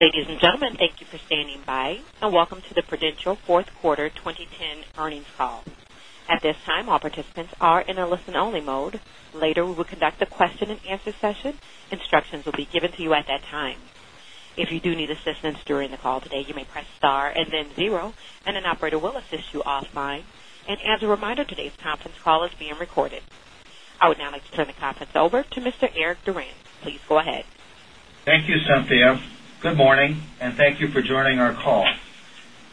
Ladies and gentlemen, thank you for standing by, welcome to the Prudential fourth quarter 2010 earnings call. At this time, all participants are in a listen-only mode. Later, we will conduct a question-and-answer session. Instructions will be given to you at that time. If you do need assistance during the call today, you may press star 0, and an operator will assist you offline. As a reminder, today's conference call is being recorded. I would now like to turn the conference over to Eric Durant. Please go ahead. Thank you, Cynthia. Good morning, thank you for joining our call.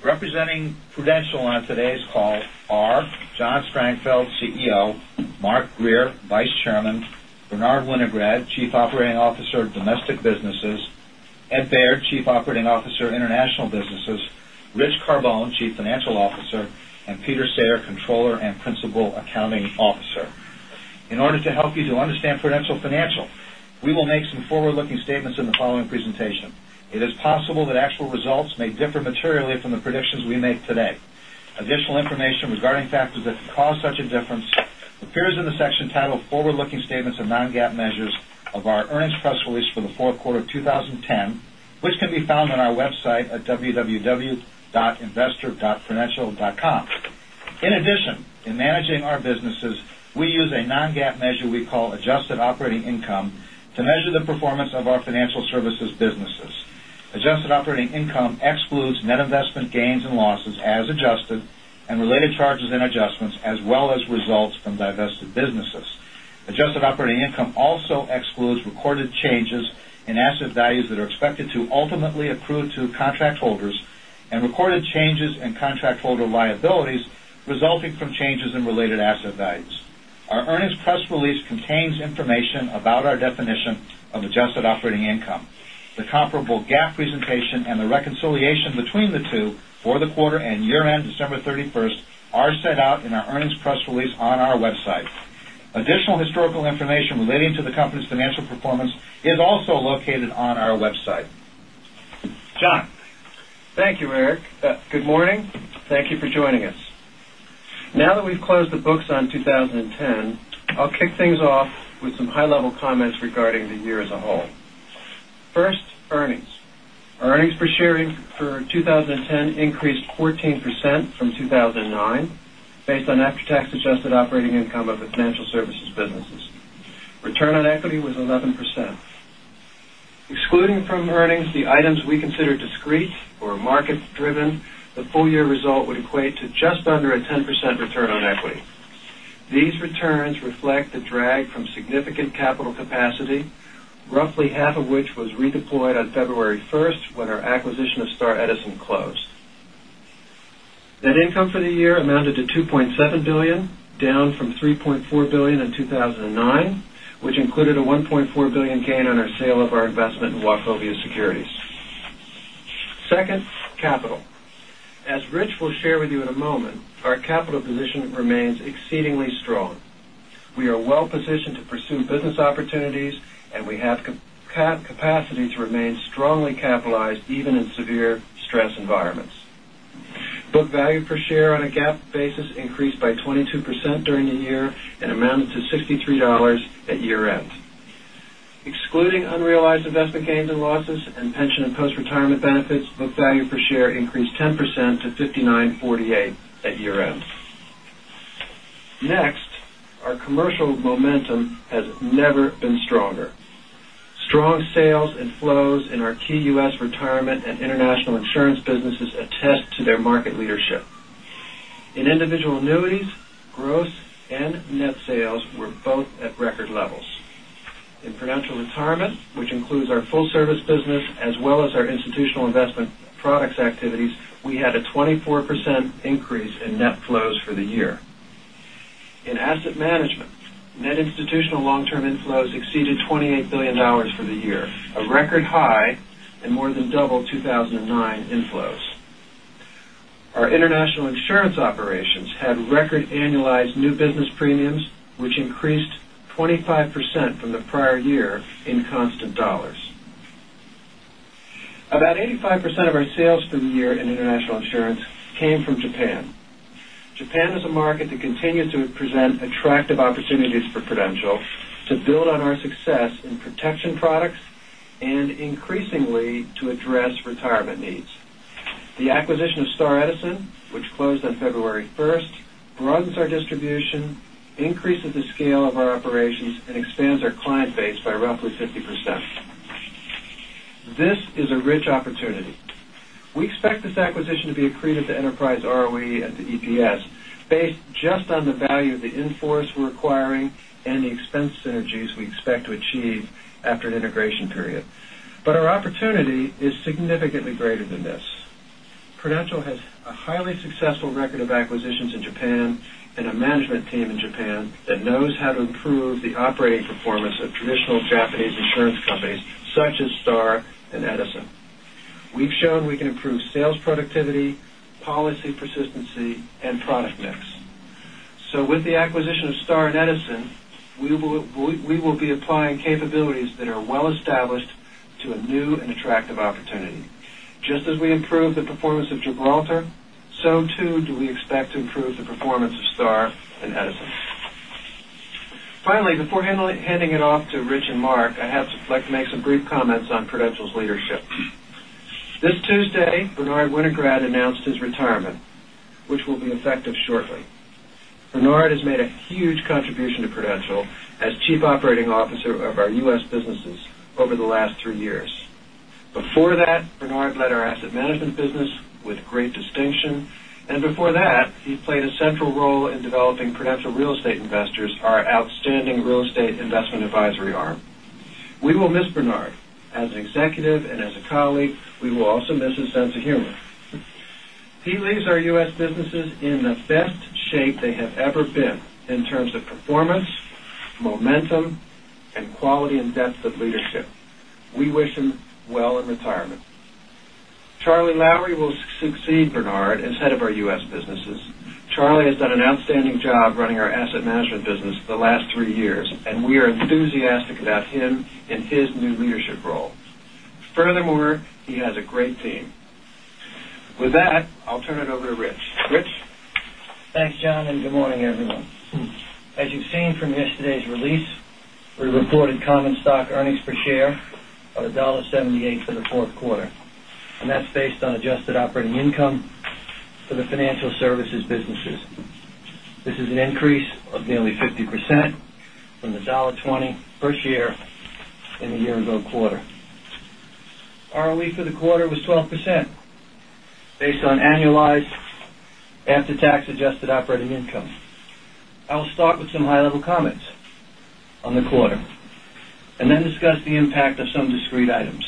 Representing Prudential on today's call are John Strangfeld, CEO; Mark Grier, Vice Chairman; Bernard Winograd, Chief Operating Officer of Domestic Businesses; Ed Baird, Chief Operating Officer, International Businesses; Rich Carbone, Chief Financial Officer; and Peter Sayre, Controller and Principal Accounting Officer. In order to help you to understand Prudential Financial, we will make some forward-looking statements in the following presentation. It is possible that actual results may differ materially from the predictions we make today. Additional information regarding factors that can cause such a difference appears in the section titled Forward-Looking Statements of Non-GAAP measures of our earnings press release for the fourth quarter of 2010, which can be found on our website at www.investor.prudential.com. In addition, in managing our businesses, we use a non-GAAP measure we call adjusted operating income to measure the performance of our financial services businesses. Adjusted operating income excludes net investment gains and losses as adjusted, and related charges and adjustments as well as results from divested businesses. Adjusted operating income also excludes recorded changes in asset values that are expected to ultimately accrue to contract holders, and recorded changes in contract holder liabilities resulting from changes in related asset values. Our earnings press release contains information about our definition of adjusted operating income. The comparable GAAP presentation and the reconciliation between the two for the quarter and year-end December 31st are set out in our earnings press release on our website. Additional historical information relating to the company's financial performance is also located on our website. John. Thank you, Eric. Good morning. Thank you for joining us. Now that we've closed the books on 2010, I'll kick things off with some high-level comments regarding the year as a whole. First, earnings. Our earnings per share for 2010 increased 14% from 2009, based on after-tax adjusted operating income of the financial services businesses. Return on equity was 11%. Excluding from earnings the items we consider discrete or market-driven, the full-year result would equate to just under a 10% return on equity. These returns reflect the drag from significant capital capacity, roughly half of which was redeployed on February 1st when our acquisition of Star and Edison closed. Net income for the year amounted to $2.7 billion, down from $3.4 billion in 2009, which included a $1.4 billion gain on our sale of our investment in Wachovia Securities. Second, capital. As Rich will share with you in a moment, our capital position remains exceedingly strong. We are well-positioned to pursue business opportunities, and we have capacity to remain strongly capitalized even in severe stress environments. Book value per share on a GAAP basis increased by 22% during the year and amounted to $63 at year-end. Excluding unrealized investment gains and losses and pension and post-retirement benefits, book value per share increased 10% to $59.48 at year-end. Our commercial momentum has never been stronger. Strong sales and flows in our key U.S. retirement and international insurance businesses attest to their market leadership. In individual annuities, gross and net sales were both at record levels. In Prudential Retirement, which includes our full-service business as well as our institutional investment products activities, we had a 24% increase in net flows for the year. In asset management, net institutional long-term inflows exceeded $28 billion for the year, a record high and more than double 2009 inflows. Our international insurance operations had record annualized new business premiums, which increased 25% from the prior year in constant dollars. About 85% of our sales for the year in international insurance came from Japan. Japan is a market that continues to present attractive opportunities for Prudential to build on our success in protection products and increasingly to address retirement needs. The acquisition of Star and Edison, which closed on February 1st, broadens our distribution, increases the scale of our operations, and expands our client base by roughly 50%. This is a rich opportunity. We expect this acquisition to be accretive to enterprise ROE and to EPS based just on the value of the in-force we're acquiring and the expense synergies we expect to achieve after an integration period. Our opportunity is significantly greater than this. Prudential has a highly successful record of acquisitions in Japan and a management team in Japan that knows how to improve the operating performance of traditional Japanese insurance companies such as Star and Edison. We've shown we can improve sales productivity, policy persistency, and product mix. With the acquisition of Star and Edison, we will be applying capabilities that are well established to a new and attractive opportunity. Just as we improved the performance of Gibraltar, too do we expect to improve the performance of Star and Edison. Before handing it off to Rich and Mark, I'd like to make some brief comments on Prudential's leadership. This Tuesday, Bernard Winograd announced his retirement, which will be effective shortly. Bernard has made a huge contribution to Prudential as Chief Operating Officer of our U.S. businesses over the last three years. Before that, Bernard led our asset management business with great distinction. Before that, he played a central role in developing Prudential Real Estate Investors, our outstanding real estate investment advisory arm. We will miss Bernard as an executive and as a colleague. We will also miss his sense of humor. He leaves our U.S. businesses in the best shape they have ever been in terms of performance, momentum, and quality and depth of leadership. We wish him well in retirement. Charlie Lowrey will succeed Bernard as head of our U.S. businesses. Charlie has done an outstanding job running our asset management business for the last three years, and we are enthusiastic about him in his new leadership role. He has a great team. I'll turn it over to Rich. Rich? Thanks, John, good morning, everyone. As you've seen from yesterday's release, we reported common stock earnings per share of $1.78 for the fourth quarter, that's based on adjusted operating income for the financial services businesses. This is an increase of nearly 50% from the $1.20 per share in the year-ago quarter. ROE for the quarter was 12%, based on annualized after-tax adjusted operating income. I'll start with some high-level comments on the quarter, then discuss the impact of some discrete items.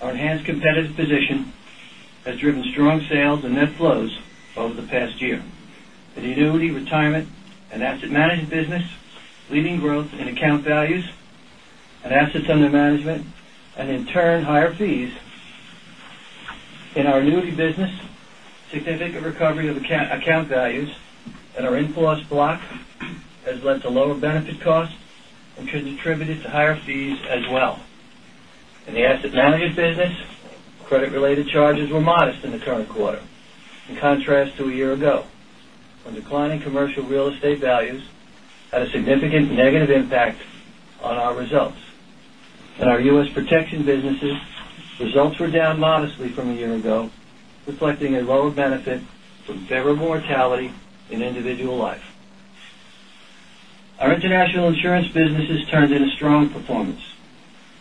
Our enhanced competitive position has driven strong sales and net flows over the past year. In the annuity retirement and asset management business, leading growth in account values and assets under management, and in turn, higher fees. In our annuity business, significant recovery of account values in our in-force block has led to lower benefit costs, which has attributed to higher fees as well. In the asset management business, credit-related charges were modest in the current quarter, in contrast to a year ago, when declining commercial real estate values had a significant negative impact on our results. In our U.S. protection businesses, results were down modestly from a year ago, reflecting a lower benefit from favorable mortality in individual life. Our international insurance businesses turned in a strong performance.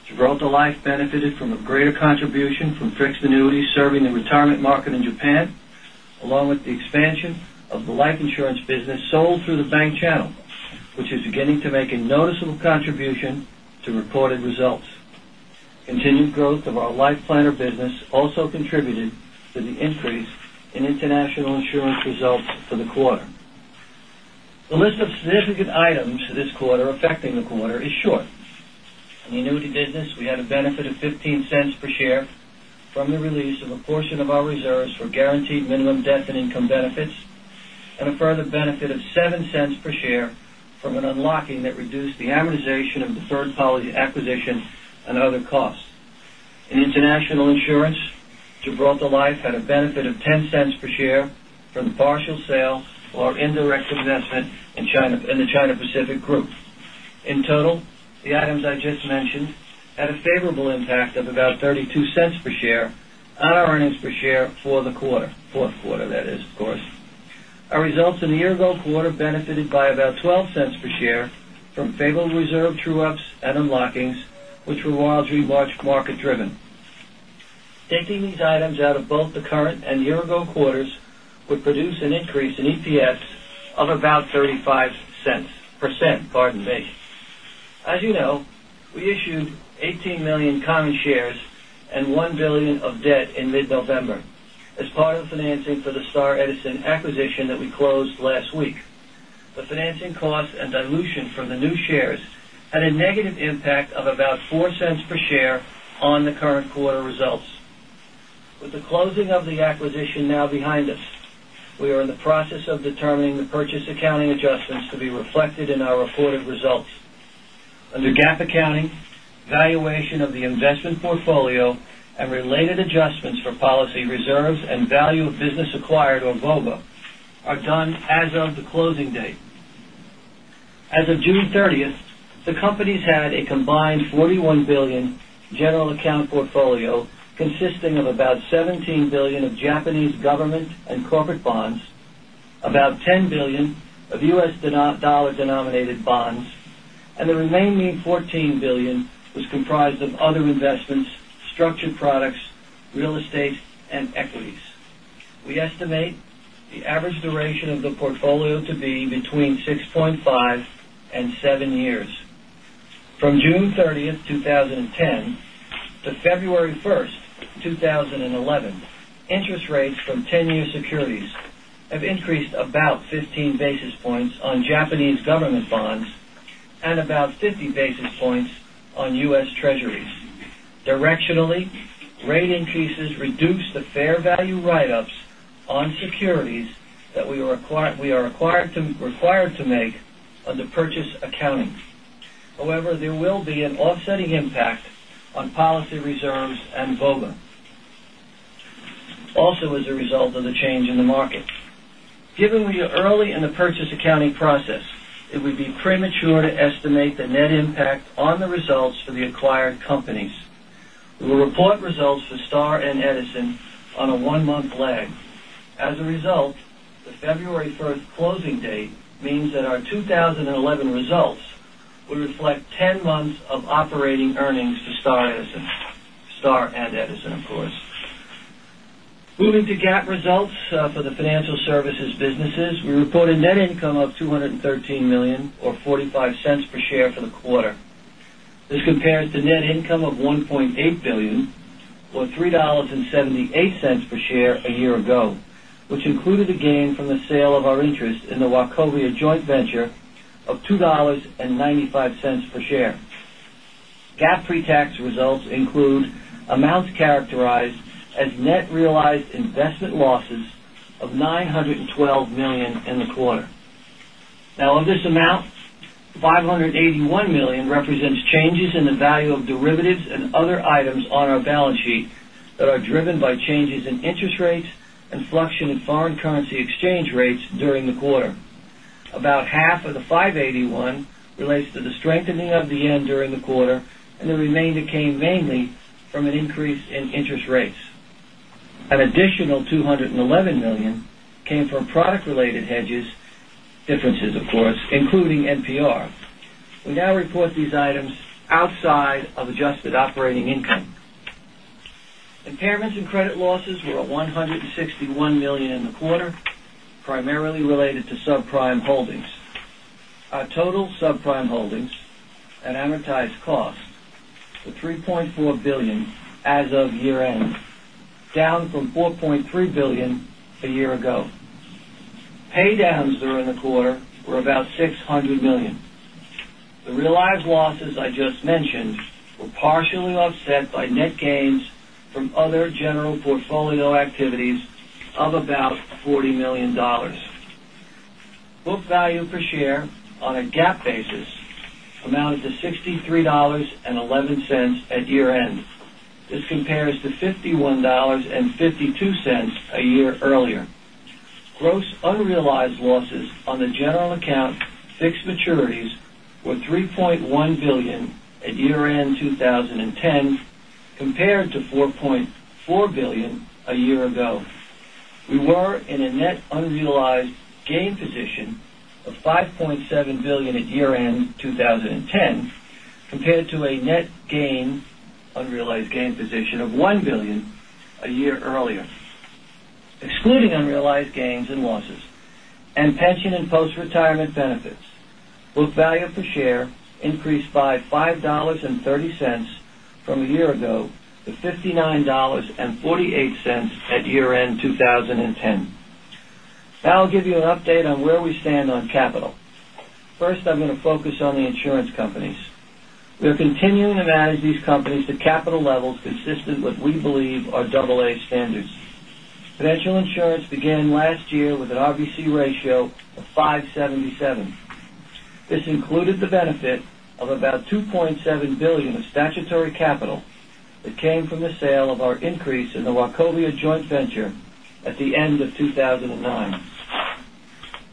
Gibraltar Life benefited from a greater contribution from fixed annuities serving the retirement market in Japan, along with the expansion of the life insurance business sold through the bank channel, which is beginning to make a noticeable contribution to reported results. Continued growth of our Life Planner business also contributed to the increase in international insurance results for the quarter. The list of significant items this quarter affecting the quarter is short. In the annuity business, we had a benefit of $0.15 per share from the release of a portion of our reserves for guaranteed minimum death and income benefits, a further benefit of $0.07 per share from an unlocking that reduced the amortization of the third policy acquisition and other costs. In international insurance, Gibraltar Life had a benefit of $0.10 per share from the partial sale of our indirect investment in the China Pacific Group. In total, the items I just mentioned had a favorable impact of about $0.32 per share on our earnings per share for the quarter, fourth quarter that is, of course. Our results in the year-ago quarter benefited by about $0.12 per share from favorable reserve true-ups and unlockings, which were largely market-driven. Taking these items out of both the current and year-ago quarters would produce an increase in EPS of about 35%, pardon me. As you know, we issued 18 million common shares and $1 billion of debt in mid-November as part of financing for the Star Edison acquisition that we closed last week. The financing cost and dilution from the new shares had a negative impact of about $0.04 per share on the current quarter results. With the closing of the acquisition now behind us, we are in the process of determining the purchase accounting adjustments to be reflected in our reported results. Under GAAP accounting, valuation of the investment portfolio and related adjustments for policy reserves and value of business acquired, or VOBA, are done as of the closing date. As of June 30th, the companies had a combined $41 billion general account portfolio consisting of about $17 billion of Japanese government and corporate bonds, about $10 billion of U.S. dollar-denominated bonds, and the remaining $14 billion was comprised of other investments, structured products, real estate, and equities. We estimate the average duration of the portfolio to be between 6.5 and 7 years. From June 30th, 2010, to February 1st, 2011, interest rates from 10-year securities have increased about 15 basis points on Japanese government bonds and about 50 basis points on U.S. Treasuries. Directionally, rate increases reduce the fair value write-ups on securities that we are required to make under purchase accounting. However, there will be an offsetting impact on policy reserves and VOBA. Also as a result of the change in the market. Given we are early in the purchase accounting process, it would be premature to estimate the net impact on the results for the acquired companies. We will report results for Star and Edison on a one-month lag. As a result, the February 1st closing date means that our 2011 results will reflect 10 months of operating earnings to Star and Edison. Star and Edison, of course. Moving to GAAP results for the financial services businesses, we report a net income of $213 million, or $0.45 per share for the quarter. This compares to net income of $1.8 billion, or $3.78 per share a year ago, which included a gain from the sale of our interest in the Wachovia joint venture of $2.95 per share. GAAP pre-tax results include amounts characterized as net realized investment losses of $912 million in the quarter. Of this amount, $581 million represents changes in the value of derivatives and other items on our balance sheet that are driven by changes in interest rates and fluctuation in foreign currency exchange rates during the quarter. About half of the $581 million relates to the strengthening of the yen during the quarter, and the remainder came mainly from an increase in interest rates. An additional $211 million came from product-related hedges, differences, of course, including NPR. We now report these items outside of adjusted operating income. Impairments and credit losses were at $161 million in the quarter, primarily related to subprime holdings. Our total subprime holdings at amortized cost were $3.4 billion as of year-end, down from $4.3 billion a year ago. Paydowns during the quarter were about $600 million. The realized losses I just mentioned were partially offset by net gains from other general portfolio activities of about $40 million. Book value per share on a GAAP basis amounted to $63.11 at year-end. This compares to $51.52 a year earlier. Gross unrealized losses on the general account fixed maturities were $3.1 billion at year-end 2010, compared to $4.4 billion a year ago. We were in a net unrealized gain position of $5.7 billion at year-end 2010, compared to a net gain, unrealized gain position of $1 billion a year earlier. Excluding unrealized gains and losses and pension and post-retirement benefits, book value per share increased by $5.30 from a year ago to $59.48 at year-end 2010. I'll give you an update on where we stand on capital. First, I'm going to focus on the insurance companies. We are continuing to manage these companies to capital levels consistent with we believe are AA standards. The Prudential Insurance Company of America began last year with an RBC ratio of 577. This included the benefit of about $2.7 billion of statutory capital that came from the sale of our increase in the Wachovia joint venture at the end of 2009.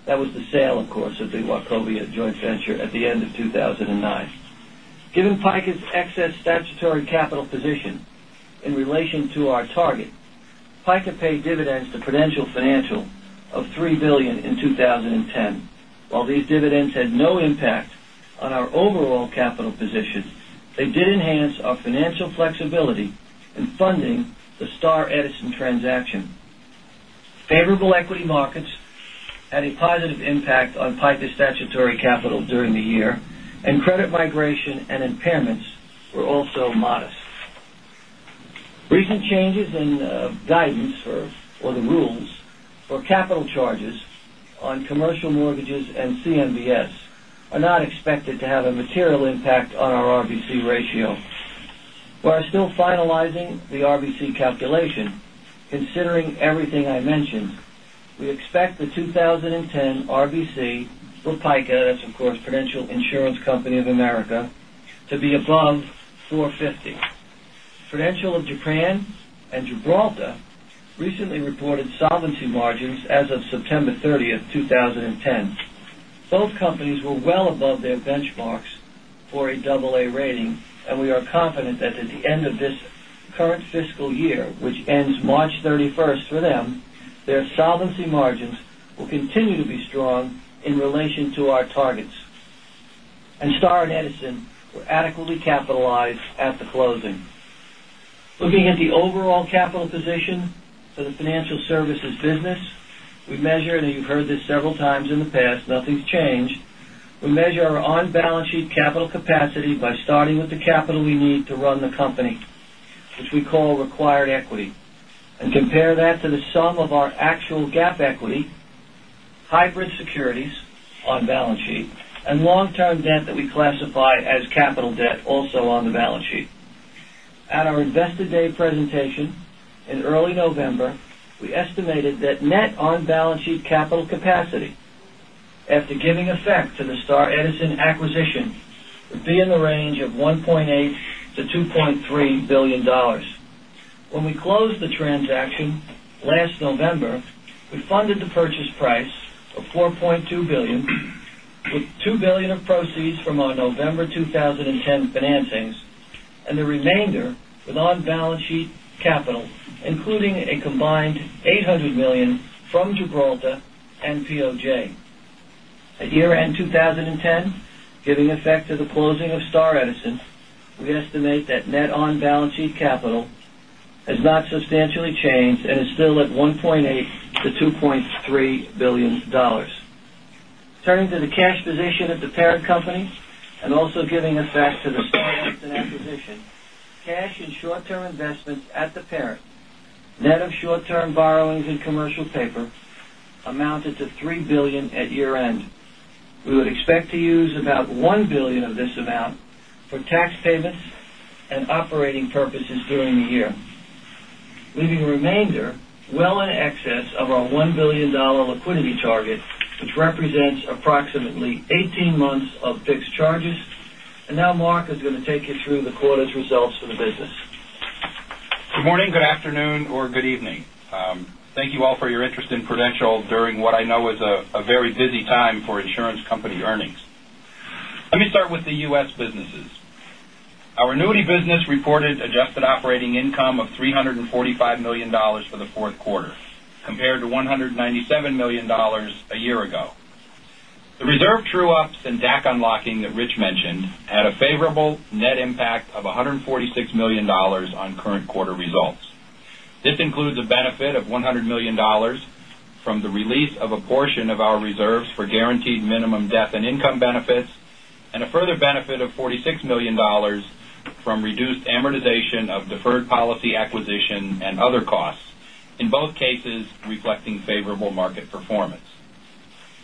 That was the sale, of course, of the Wachovia joint venture at the end of 2009. Given PICA's excess statutory capital position in relation to our target, PICA paid dividends to Prudential Financial of $3 billion in 2010. While these dividends had no impact on our overall capital position, they did enhance our financial flexibility in funding the Star Edison transaction. Favorable equity markets had a positive impact on PICA's statutory capital during the year, and credit migration and impairments were also modest. Recent changes in guidance or the rules for capital charges on commercial mortgages and CMBS are not expected to have a material impact on our RBC ratio. We are still finalizing the RBC calculation. Considering everything I mentioned, we expect the 2010 RBC for PICA, that's of course, The Prudential Insurance Company of America, to be above 450. Prudential of Japan and Gibraltar recently reported solvency margins as of September 30th, 2010. Both companies were well above their benchmarks for a AA rating, and we are confident that at the end of this current fiscal year, which ends March 31st for them, their solvency margins will continue to be strong in relation to our targets. Star and Edison were adequately capitalized at the closing. Looking at the overall capital position for the financial services business, we measure, and you've heard this several times in the past, nothing's changed. We measure our on-balance-sheet capital capacity by starting with the capital we need to run the company, which we call required equity, and compare that to the sum of our actual GAAP equity, hybrid securities on balance sheet, and long-term debt that we classify as capital debt also on the balance sheet. At our Investor Day presentation in early November, we estimated that net on-balance-sheet capital capacity after giving effect to the Star Edison acquisition, it would be in the range of $1.8 billion-$2.3 billion. When we closed the transaction last November, we funded the purchase price of $4.2 billion, with $2 billion of proceeds from our November 2010 financings, and the remainder with on-balance-sheet capital, including a combined $800 million from Gibraltar and POJ. At year-end 2010, giving effect to the closing of Star Edison, we estimate that net on-balance-sheet capital has not substantially changed and is still at $1.8 billion-$2.3 billion. Turning to the cash position at the parent company, also giving effect to the Star Edison acquisition, cash and short-term investments at the parent, net of short-term borrowings and commercial paper, amounted to $3 billion at year-end. We would expect to use about $1 billion of this amount for tax payments and operating purposes during the year, leaving a remainder well in excess of our $1 billion liquidity target, which represents approximately 18 months of fixed charges. Now Mark is going to take you through the quarter's results for the business. Good morning, good afternoon, or good evening. Thank you all for your interest in Prudential during what I know is a very busy time for insurance company earnings. Let me start with the U.S. businesses. Our annuity business reported adjusted operating income of $345 million for the fourth quarter, compared to $197 million a year ago. The reserve true-ups and DAC unlocking that Rich mentioned had a favorable net impact of $146 million on current quarter results. This includes a benefit of $100 million from the release of a portion of our reserves for guaranteed minimum death and income benefits, and a further benefit of $46 million from reduced amortization of deferred policy acquisition and other costs, in both cases, reflecting favorable market performance.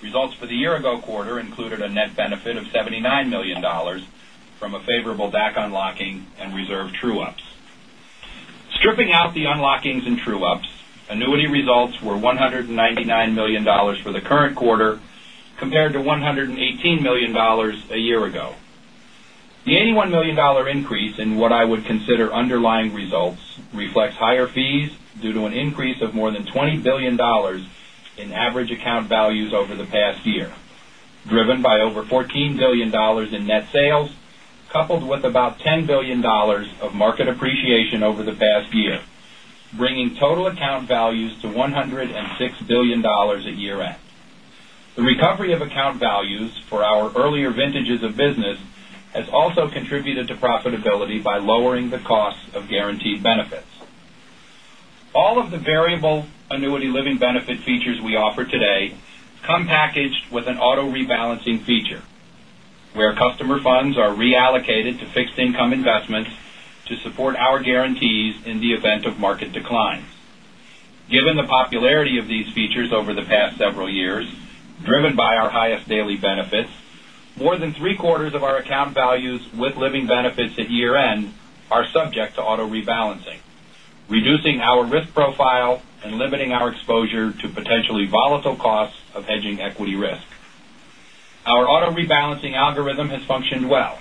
Results for the year-ago quarter included a net benefit of $79 million from a favorable DAC unlocking and reserve true-ups. Stripping out the unlockings and true-ups, annuity results were $199 million for the current quarter, compared to $118 million a year ago. The $81 million increase in what I would consider underlying results reflects higher fees due to an increase of more than $20 billion in average account values over the past year, driven by over $14 billion in net sales, coupled with about $10 billion of market appreciation over the past year, bringing total account values to $106 billion at year-end. The recovery of account values for our earlier vintages of business has also contributed to profitability by lowering the cost of guaranteed benefits. All of the variable annuity living benefit features we offer today come packaged with an auto-rebalancing feature, where customer funds are reallocated to fixed income investments to support our guarantees in the event of market declines. Given the popularity of these features over the past several years, driven by our Highest Daily Income, more than three-quarters of our account values with living benefits at year-end are subject to auto-rebalancing, reducing our risk profile and limiting our exposure to potentially volatile costs of hedging equity risk. Our auto-rebalancing algorithm has functioned well,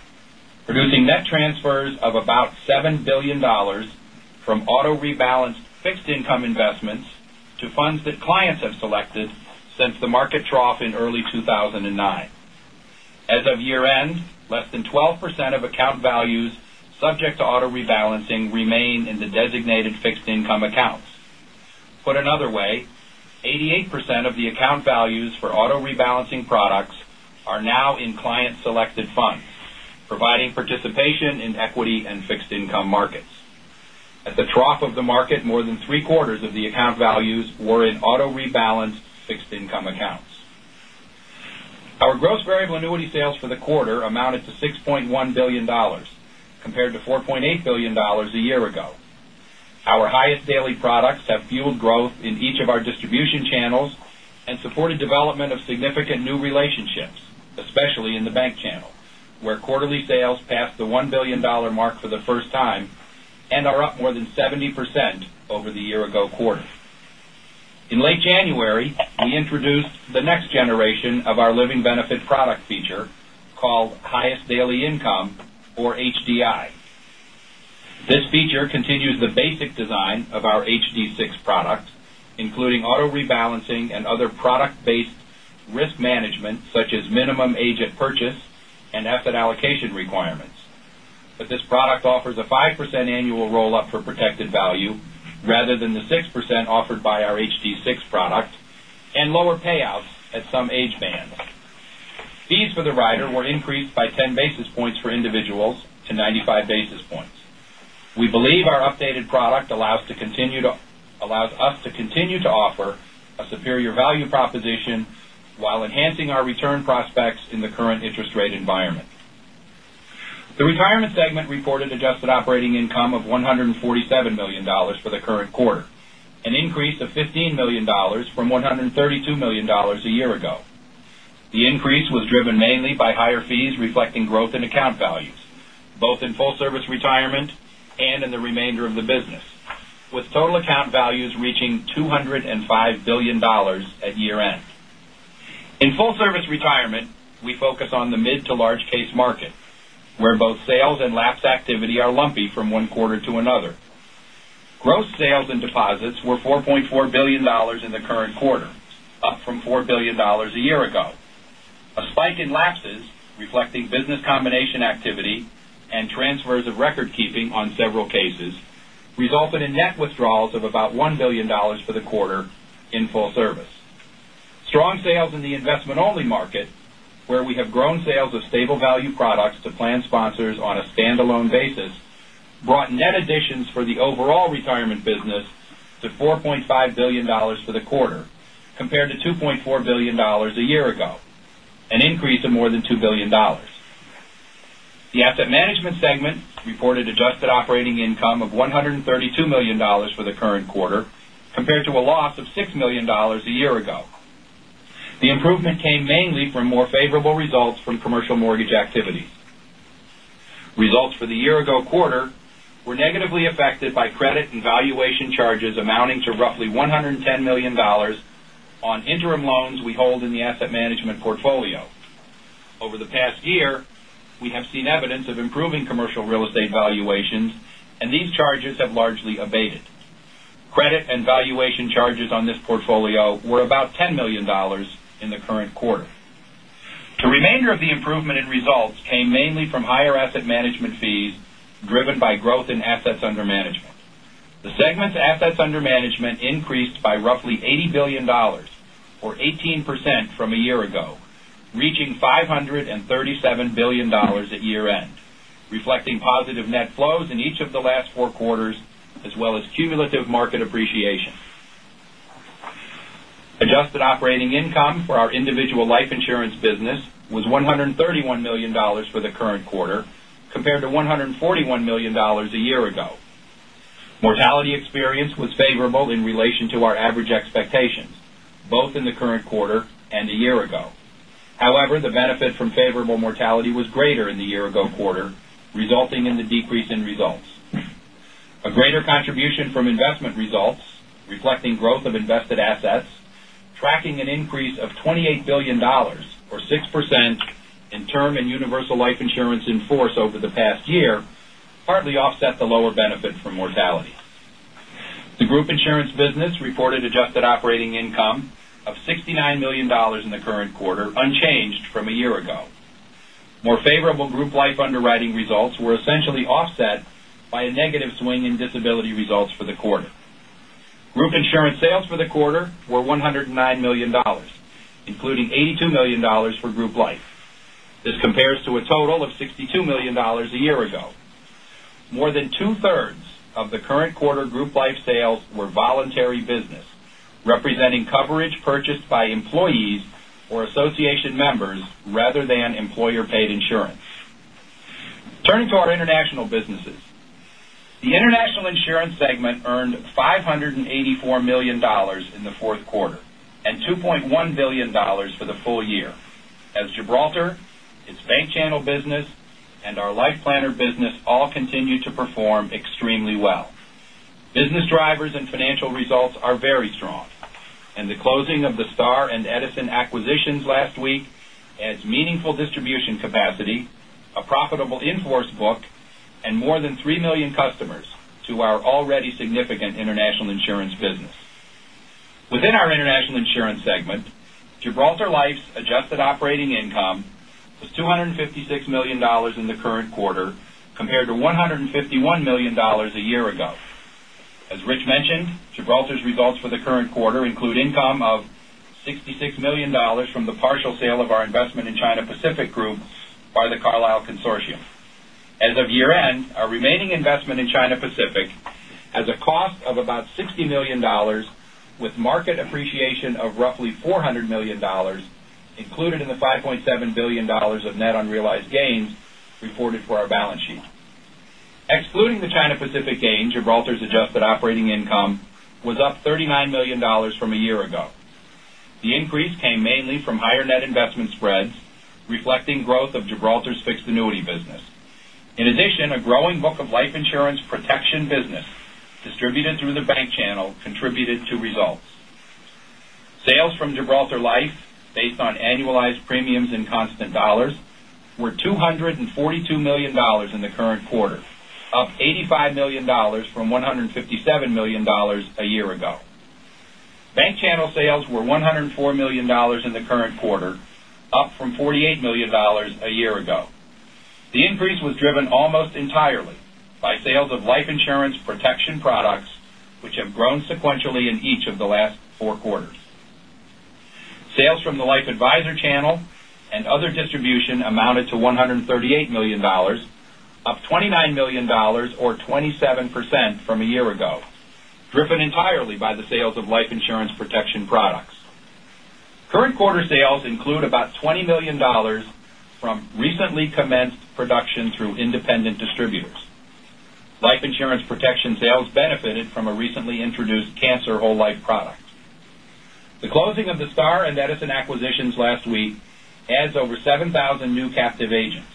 producing net transfers of about $7 billion from auto-rebalanced fixed income investments to funds that clients have selected since the market trough in early 2009. As of year-end, less than 12% of account values subject to auto-rebalancing remain in the designated fixed income accounts. Put another way, 88% of the account values for auto-rebalancing products are now in client-selected funds, providing participation in equity and fixed income markets. At the trough of the market, more than three-quarters of the account values were in auto-rebalanced fixed income accounts. Our gross variable annuity sales for the quarter amounted to $6.1 billion, compared to $4.8 billion a year ago. Our Highest Daily Income products have fueled growth in each of our distribution channels and supported development of significant new relationships, especially in the bank channel, where quarterly sales passed the $1 billion mark for the first time and are up more than 70% over the year-ago quarter. In late January, we introduced the next generation of our living benefit product feature, called Highest Daily Income, or HDI. This feature continues the basic design of our HD6 product, including auto-rebalancing and other product-based risk management, such as minimum age at purchase and asset allocation requirements. This product offers a 5% annual roll-up for protected value rather than the 6% offered by our HD6 product and lower payouts at some age bands. Fees for the rider were increased by 10 basis points for individuals to 95 basis points. We believe our updated product allows us to continue to offer a superior value proposition while enhancing our return prospects in the current interest rate environment. The retirement segment reported adjusted operating income of $147 million for the current quarter, an increase of $15 million from $132 million a year ago. The increase was driven mainly by higher fees reflecting growth in account values, both in full-service retirement and in the remainder of the business. With total account values reaching $205 billion at year-end. In full service retirement, we focus on the mid to large case market, where both sales and lapse activity are lumpy from one quarter to another. Gross sales and deposits were $4.4 billion in the current quarter, up from $4 billion a year ago. A spike in lapses reflecting business combination activity and transfers of record keeping on several cases resulted in net withdrawals of about $1 billion for the quarter in full service. Strong sales in the investment only market, where we have grown sales of stable value products to plan sponsors on a standalone basis, brought net additions for the overall retirement business to $4.5 billion for the quarter, compared to $2.4 billion a year ago, an increase of more than $2 billion. The asset management segment reported adjusted operating income of $132 million for the current quarter, compared to a loss of $6 million a year ago. The improvement came mainly from more favorable results from commercial mortgage activity. Results for the year ago quarter were negatively affected by credit and valuation charges amounting to roughly $110 million on interim loans we hold in the asset management portfolio. Over the past year, we have seen evidence of improving commercial real estate valuations. These charges have largely abated. Credit and valuation charges on this portfolio were about $10 million in the current quarter. The remainder of the improvement in results came mainly from higher asset management fees, driven by growth in assets under management. The segment's assets under management increased by roughly $80 billion, or 18% from a year ago, reaching $537 billion at year-end, reflecting positive net flows in each of the last four quarters, as well as cumulative market appreciation. Adjusted operating income for our individual life insurance business was $131 million for the current quarter, compared to $141 million a year ago. Mortality experience was favorable in relation to our average expectations, both in the current quarter and a year ago. The benefit from favorable mortality was greater in the year-ago quarter, resulting in the decrease in results. A greater contribution from investment results, reflecting growth of invested assets, tracking an increase of $28 billion or 6% in term and universal life insurance in force over the past year, partly offset the lower benefit from mortality. The group insurance business reported adjusted operating income of $69 million in the current quarter, unchanged from a year ago. More favorable group life underwriting results were essentially offset by a negative swing in disability results for the quarter. Group insurance sales for the quarter were $109 million, including $82 million for group life. This compares to a total of $62 million a year ago. More than two-thirds of the current quarter group life sales were voluntary business, representing coverage purchased by employees or association members rather than employer-paid insurance. Turning to our international businesses. The international insurance segment earned $584 million in the fourth quarter and $2.1 billion for the full year. Gibraltar, its bank channel business, and our LifePlanner business all continue to perform extremely well. Business drivers and financial results are very strong, and the closing of the Star and Edison acquisitions last week adds meaningful distribution capacity, a profitable in-force book, and more than 3 million customers to our already significant international insurance business. Within our international insurance segment, Gibraltar Life's adjusted operating income was $256 million in the current quarter, compared to $151 million a year ago. As Rich mentioned, Gibraltar's results for the current quarter include income of $66 million from the partial sale of our investment in China Pacific Group by The Carlyle consortium. As of year-end, our remaining investment in China Pacific has a cost of about $60 million, with market appreciation of roughly $400 million included in the $5.7 billion of net unrealized gains reported for our balance sheet. Excluding the China Pacific gain, Gibraltar's adjusted operating income was up $39 million from a year ago. The increase came mainly from higher net investment spreads, reflecting growth of Gibraltar's fixed annuity business. In addition, a growing book of life insurance protection business distributed through the bank channel contributed to results. Sales from Gibraltar Life, based on annualized premiums in constant dollars, were $242 million in the current quarter, up $85 million from $157 million a year ago. Bank channel sales were $104 million in the current quarter, up from $48 million a year ago. The increase was driven almost entirely by sales of life insurance protection products, which have grown sequentially in each of the last 4 quarters. Sales from the Life Advisor channel and other distribution amounted to $138 million, up $29 million or 27% from a year ago, driven entirely by the sales of life insurance protection products. Current quarter sales include about $20 million from recently commenced production through independent distributors. Life insurance protection sales benefited from a recently introduced cancer whole life product. The closing of the Star and Edison acquisitions last week adds over 7,000 new captive agents,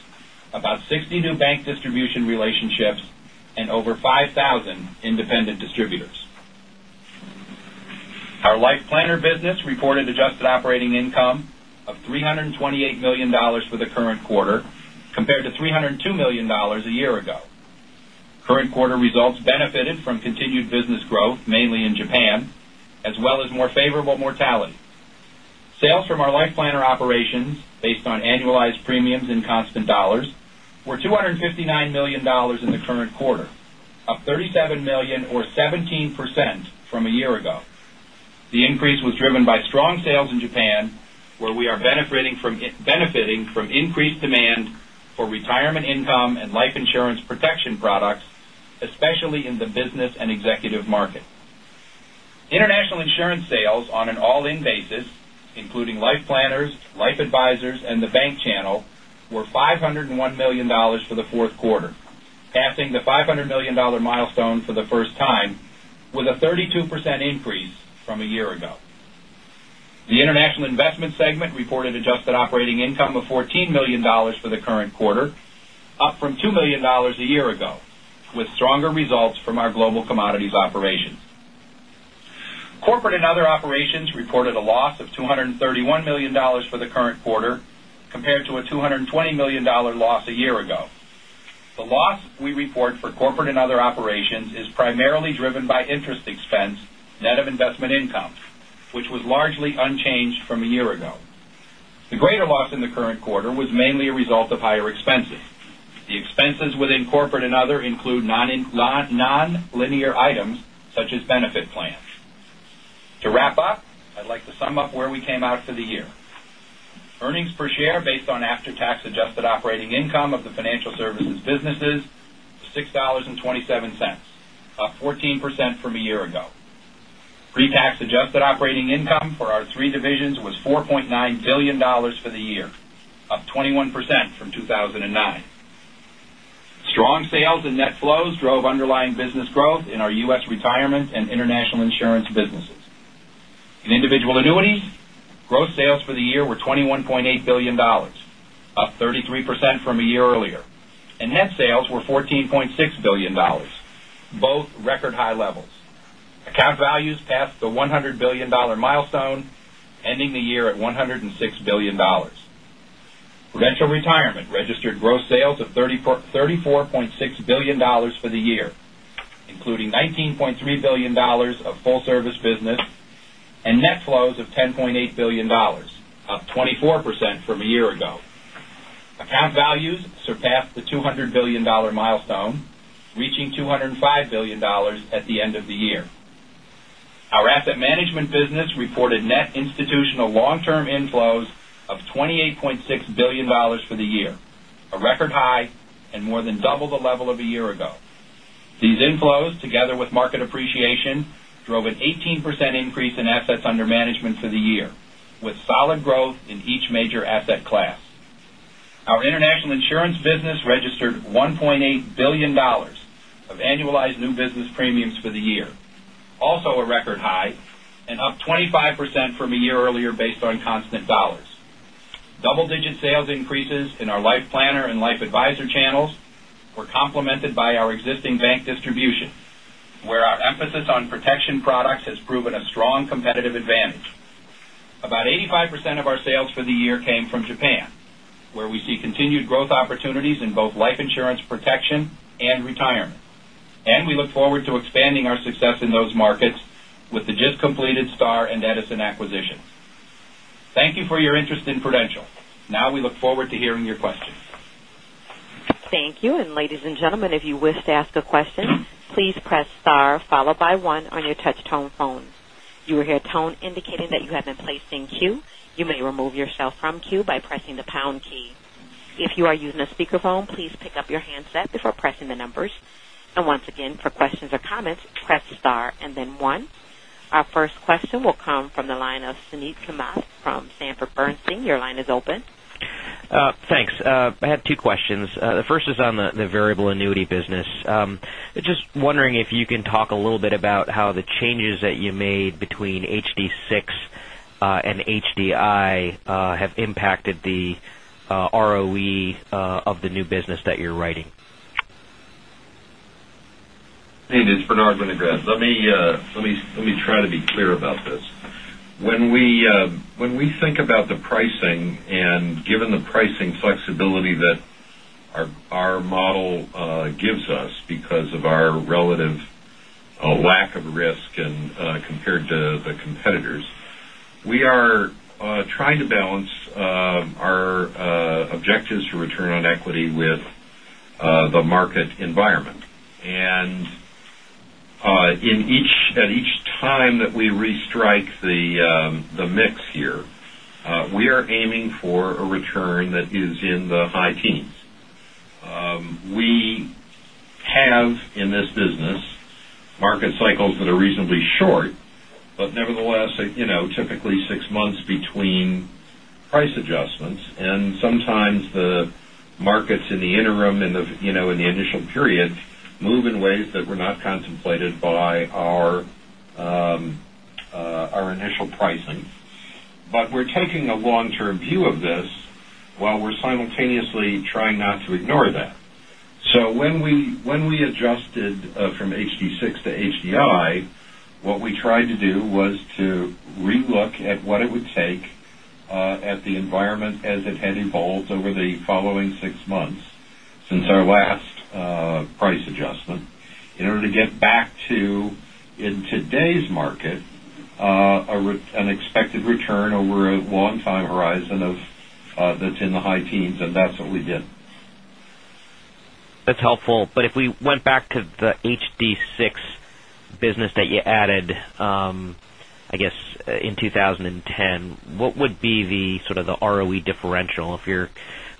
about 60 new bank distribution relationships, and over 5,000 independent distributors. Our LifePlanner business reported adjusted operating income of $328 million for the current quarter, compared to $302 million a year ago. Current quarter results benefited from continued business growth, mainly in Japan, as well as more favorable mortality. Sales from our LifePlanner operations, based on annualized premiums in constant dollars, were $259 million in the current quarter, up $37 million or 17% from a year ago. The increase was driven by strong sales in Japan, where we are benefiting from increased demand for retirement income and life insurance protection products, especially in the business and executive market. International insurance sales on an all-in basis, including LifePlanners, LifeAdvisors, and the bank channel, were $501 million for the fourth quarter, passing the $500 million milestone for the first time with a 32% increase from a year ago. The international investment segment reported adjusted operating income of $14 million for the current quarter, up from $2 million a year ago, with stronger results from our global commodities operations. Corporate and other operations reported a loss of $231 million for the current quarter, compared to a $220 million loss a year ago. The loss we report for corporate and other operations is primarily driven by interest expense, net of investment income, which was largely unchanged from a year ago. The greater loss in the current quarter was mainly a result of higher expenses. The expenses within corporate and other include nonlinear items such as benefit plans. To wrap up, I'd like to sum up where we came out for the year. Earnings per share based on after-tax adjusted operating income of the financial services businesses, $6.27, up 14% from a year ago. Pre-tax adjusted operating income for our three divisions was $4.9 billion for the year, up 21% from 2009. Strong sales and net flows drove underlying business growth in our U.S. retirement and international insurance businesses. In individual annuities, gross sales for the year were $21.8 billion, up 33% from a year earlier, and net sales were $14.6 billion, both record high levels. Account values passed the $100 billion milestone, ending the year at $106 billion. Prudential Retirement registered gross sales of $34.6 billion for the year, including $19.3 billion of full-service business and net flows of $10.8 billion, up 24% from a year ago. Account values surpassed the $200 billion milestone, reaching $205 billion at the end of the year. Our asset management business reported net institutional long-term inflows of $28.6 billion for the year, a record high and more than double the level of a year ago. These inflows, together with market appreciation, drove an 18% increase in assets under management for the year, with solid growth in each major asset class. Our international insurance business registered $1.8 billion of annualized new business premiums for the year, also a record high and up 25% from a year earlier based on constant dollars. Double-digit sales increases in our LifePlanner and LifeAdvisor channels were complemented by our existing bank distribution, where our emphasis on protection products has proven a strong competitive advantage. About 85% of our sales for the year came from Japan, where we see continued growth opportunities in both life insurance protection and retirement. We look forward to expanding our success in those markets with the just completed Star and Edison acquisitions. Thank you for your interest in Prudential. Now we look forward to hearing your questions. Thank you. Ladies and gentlemen, if you wish to ask a question, please press star followed by one on your touch tone phone. You will hear a tone indicating that you have been placed in queue. You may remove yourself from queue by pressing the pound key. If you are using a speakerphone, please pick up your handset before pressing the numbers. Once again, for questions or comments, press star and then one. Our first question will come from the line of Suneet Kamath from Sanford Bernstein. Your line is open. Thanks. I have two questions. The first is on the variable annuity business. Just wondering if you can talk a little bit about how the changes that you made between HD6 and HDI have impacted the ROE of the new business that you're writing. Hey, it's Bernard Winograd. Let me try to be clear about this. When we think about the pricing and given the pricing flexibility that our model gives us because of our relative lack of risk compared to the competitors, we are trying to balance our objectives for return on equity with the market environment. At each time that we restrike the mix here, we are aiming for a return that is in the high teens. We have, in this business, market cycles that are reasonably short, but nevertheless, typically six months between Price adjustments. Sometimes the markets in the interim, in the initial period, move in ways that were not contemplated by our initial pricing. We're taking a long-term view of this while we're simultaneously trying not to ignore that. When we adjusted from HD6 to HDI, what we tried to do was to relook at what it would take at the environment as it had evolved over the following six months since our last price adjustment in order to get back to, in today's market, an expected return over a long time horizon that's in the high teens. That's what we did. That's helpful. If we went back to the HD6 business that you added, I guess, in 2010, what would be the sort of the ROE differential if your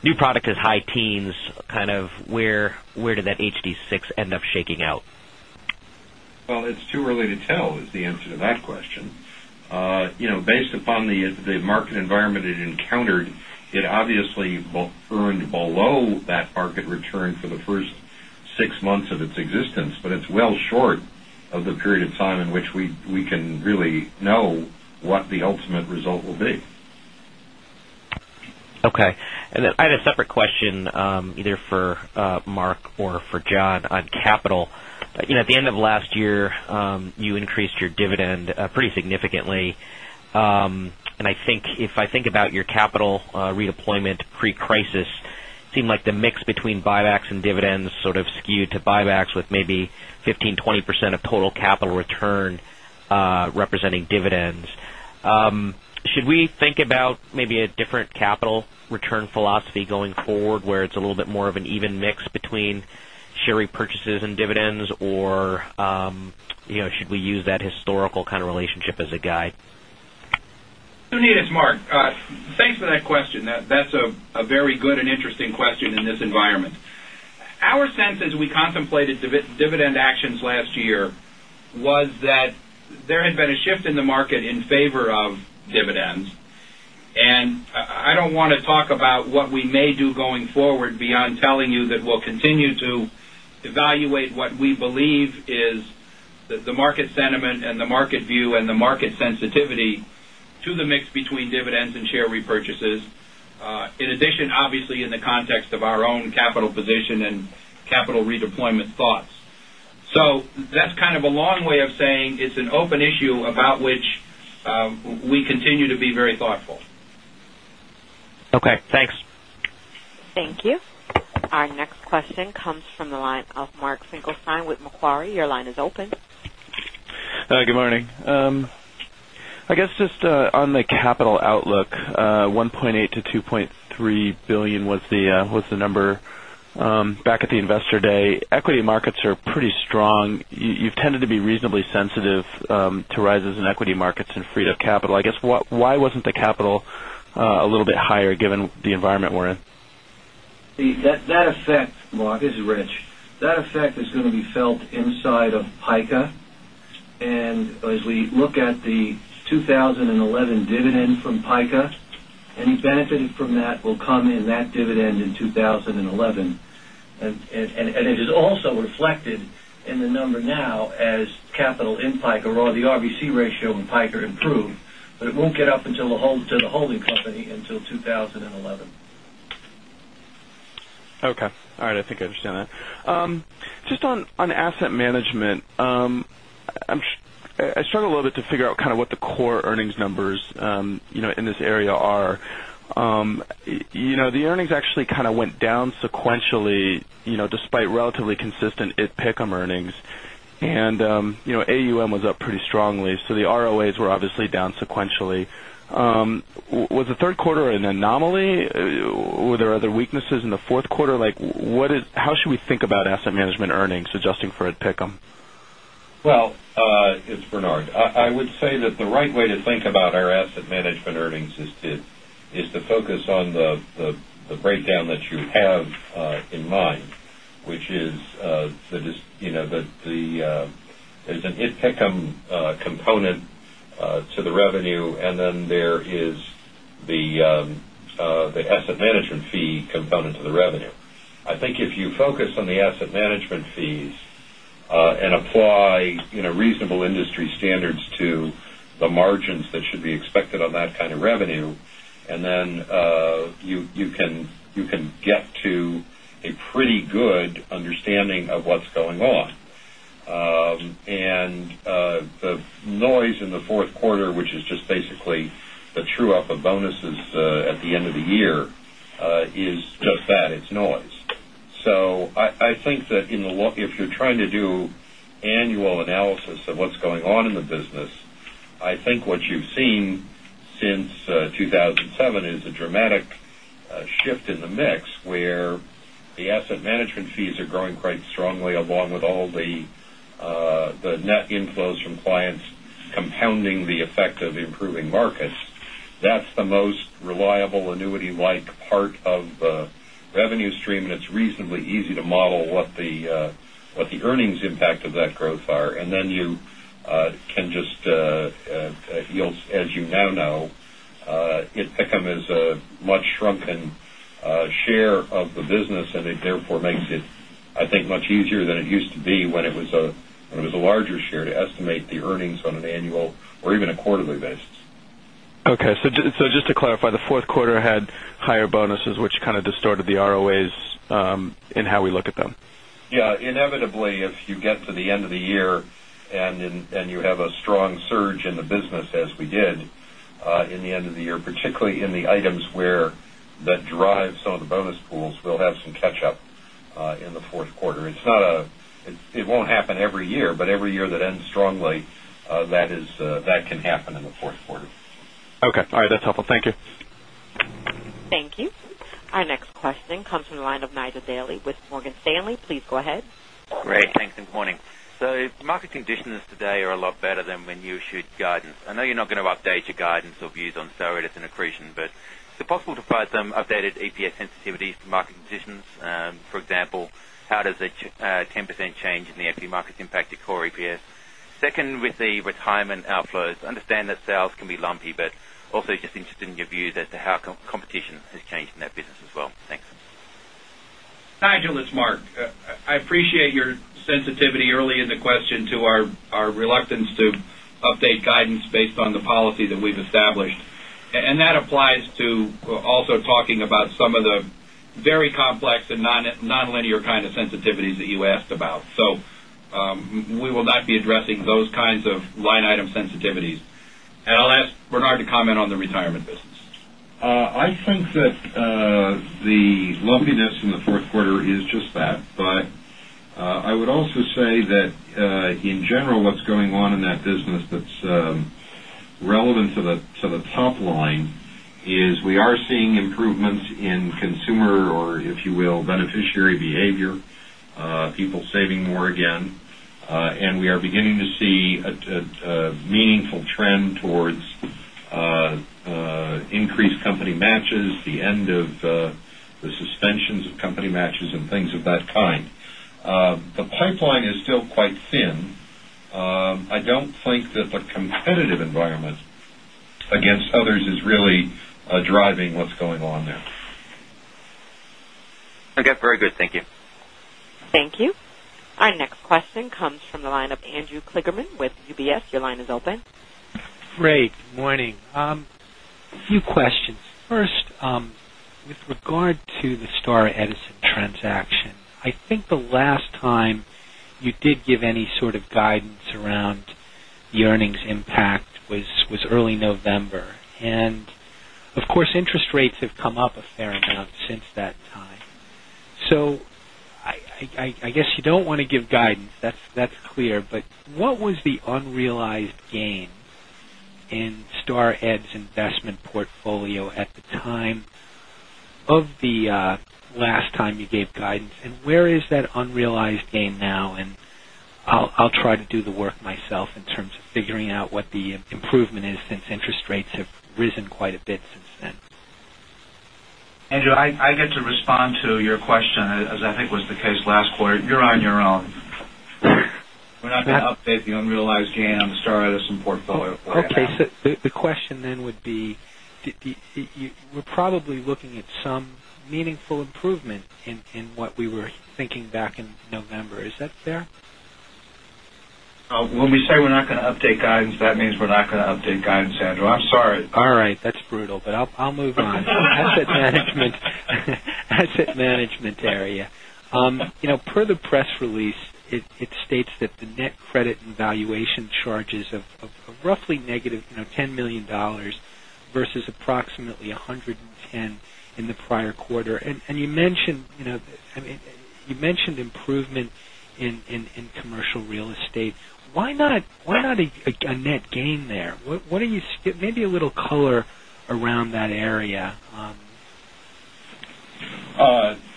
new product is high teens, where did that HD6 end up shaking out? Well, it's too early to tell is the answer to that question. Based upon the market environment it encountered, it obviously earned below that market return for the first 6 months of its existence, but it's well short of the period of time in which we can really know what the ultimate result will be. Okay. I had a separate question, either for Mark or for John, on capital. At the end of last year, you increased your dividend pretty significantly. If I think about your capital redeployment pre-crisis, seemed like the mix between buybacks and dividends sort of skewed to buybacks with maybe 15%-20% of total capital return representing dividends. Should we think about maybe a different capital return philosophy going forward, where it's a little bit more of an even mix between share repurchases and dividends? Should we use that historical kind of relationship as a guide? Suneet, it's Mark. Thanks for that question. That's a very good and interesting question in this environment. Our sense as we contemplated dividend actions last year was that there had been a shift in the market in favor of dividends, and I don't want to talk about what we may do going forward beyond telling you that we'll continue to evaluate what we believe is the market sentiment and the market view and the market sensitivity to the mix between dividends and share repurchases. In addition, obviously, in the context of our own capital position and capital redeployment thoughts. That's kind of a long way of saying it's an open issue about which we continue to be very thoughtful. Okay, thanks. Thank you. Our next question comes from the line of Mark Finkelstein with Macquarie. Your line is open. Hi, good morning. I guess just on the capital outlook, $1.8 billion-$2.3 billion was the number back at the investor day. Equity markets are pretty strong. You've tended to be reasonably sensitive to rises in equity markets and freed-up capital. I guess, why wasn't the capital a little bit higher given the environment we're in? That effect, Mark, this is Rich. That effect is going to be felt inside of PICA. As we look at the 2011 dividend from PICA, any benefiting from that will come in that dividend in 2011. It is also reflected in the number now as capital in PICA or the RBC ratio in PICA improved, but it won't get up to the holding company until 2011. Okay. All right. I think I understand that. Just on asset management, I struggle a little bit to figure out kind of what the core earnings numbers in this area are. The earnings actually kind of went down sequentially despite relatively consistent IT PICUM earnings. AUM was up pretty strongly. The ROA were obviously down sequentially. Was the third quarter an anomaly? Were there other weaknesses in the fourth quarter? How should we think about asset management earnings adjusting for IT PICUM? Well, it's Bernard. I would say that the right way to think about our asset management earnings is to focus on the breakdown that you have in mind, which is there's an IT PICUM component to the revenue, and then there is the asset management fee component to the revenue. I think if you focus on the asset management fees and apply reasonable industry standards to the margins that should be expected on that kind of revenue, then you can get to a pretty good understanding of what's going on. The noise in the fourth quarter, which is just basically the true-up of bonuses at the end of the year, is just that. It's noise. I think that if you're trying to do annual analysis of what's going on in the business, I think what you've seen since 2007 is a dramatic shift in the mix, where the asset management fees are growing quite strongly, along with all the net inflows from clients compounding the effect of improving markets. That's the most reliable annuity-like part of the revenue stream, and it's reasonably easy to model what the earnings impact of that growth are. Then, as you now know, it becomes a much shrunken share of the business, and it therefore makes it, I think, much easier than it used to be when it was a larger share to estimate the earnings on an annual or even a quarterly basis. Okay. Just to clarify, the fourth quarter had higher bonuses, which kind of distorted the ROA in how we look at them. Yeah. Inevitably, if you get to the end of the year, you have a strong surge in the business as we did in the end of the year, particularly in the items that drive some of the bonus pools, they'll have some catch-up in the fourth quarter. It won't happen every year, but every year that ends strongly, that can happen in the fourth quarter. Okay. All right. That's helpful. Thank you. Thank you. Our next question comes from the line of Nigel Dally with Morgan Stanley. Please go ahead. Great. Thanks, and morning. Market conditions today are a lot better than when you issued guidance. I know you're not going to update your guidance or views on Star Edison accretion, but is it possible to provide some updated EPS sensitivities to market conditions? For example, how does a 10% change in the EP market impact your core EPS? Second, with the retirement outflows, I understand that sales can be lumpy, but also just interested in your views as to how competition has changed in that business as well. Thanks. Nigel, it's Mark. I appreciate your sensitivity early in the question to our reluctance to update guidance based on the policy that we've established. That applies to also talking about some of the very complex and non-linear kind of sensitivities that you asked about. We will not be addressing those kinds of line item sensitivities. I'll ask Bernard to comment on the retirement business. I think that the lumpiness in the fourth quarter is just that. I would also say that, in general, what's going on in that business that's relevant to the top line is we are seeing improvements in consumer or, if you will, beneficiary behavior. People saving more again. We are beginning to see a meaningful trend towards increased company matches, the end of the suspensions of company matches, and things of that kind. The pipeline is still quite thin. I don't think that the competitive environment against others is really driving what's going on there. Okay. Very good. Thank you. Thank you. Our next question comes from the line of Andrew Kligerman with UBS. Your line is open. Great. Morning. A few questions. First, with regard to the Star Edison transaction, I think the last time you did give any sort of guidance around the earnings impact was early November. Of course, interest rates have come up a fair amount since that time. I guess you don't want to give guidance. That's clear. What was the unrealized gain in Star Ed's investment portfolio at the time of the last time you gave guidance? Where is that unrealized gain now? I'll try to do the work myself in terms of figuring out what the improvement is since interest rates have risen quite a bit since then. Andrew, I get to respond to your question, as I think was the case last quarter. You're on your own. We're not going to update the unrealized gain on the Star Edison portfolio for you. Okay. The question then would be, we're probably looking at some meaningful improvement in what we were thinking back in November. Is that fair? When we say we're not going to update guidance, that means we're not going to update guidance, Andrew. I'm sorry. All right. That's brutal, I'll move on. Asset management area. Per the press release, it states that the net credit and valuation charges of roughly negative $10 million versus approximately $110 million in the prior quarter. You mentioned improvement in commercial real estate. Why not a net gain there? Maybe a little color around that area.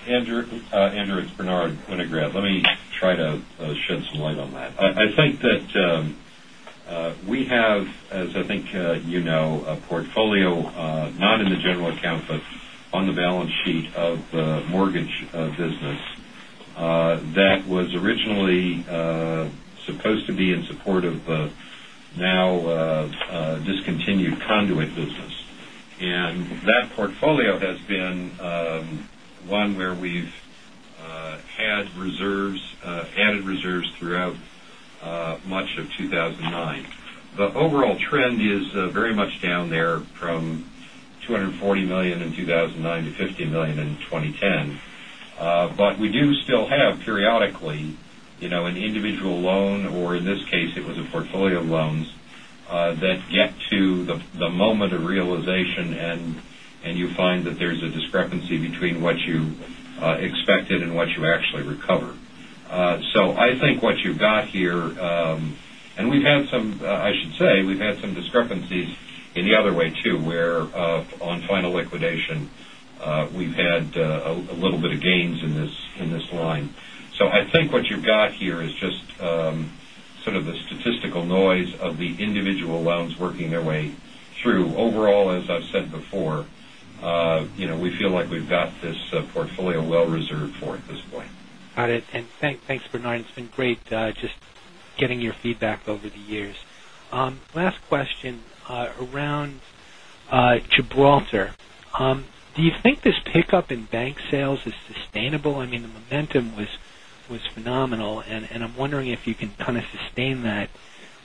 Andrew, it's Bernard Winograd. Let me try to shed some light on that. I think that we have, as I think you know, a portfolio, not in the general account, but on the balance sheet of the mortgage business. That was originally supposed to be in support of a now-discontinued conduit business. That portfolio has been one where we've added reserves throughout much of 2009. The overall trend is very much down there from $240 million in 2009 to $50 million in 2010. We do still have periodically, an individual loan, or in this case, it was a portfolio of loans, that get to the moment of realization, and you find that there's a discrepancy between what you expected and what you actually recover. I think what you've got here. I should say we've had some discrepancies in the other way, too, where on final liquidation, we've had a little bit of gains in this line. I think what you've got here is just sort of the statistical noise of the individual loans working their way through. Overall, as I've said before, we feel like we've got this portfolio well reserved for at this point. Got it. Thanks, Bernard. It's been great just getting your feedback over the years. Last question, around Gibraltar. Do you think this pickup in bank sales is sustainable? The momentum was phenomenal, and I'm wondering if you can kind of sustain that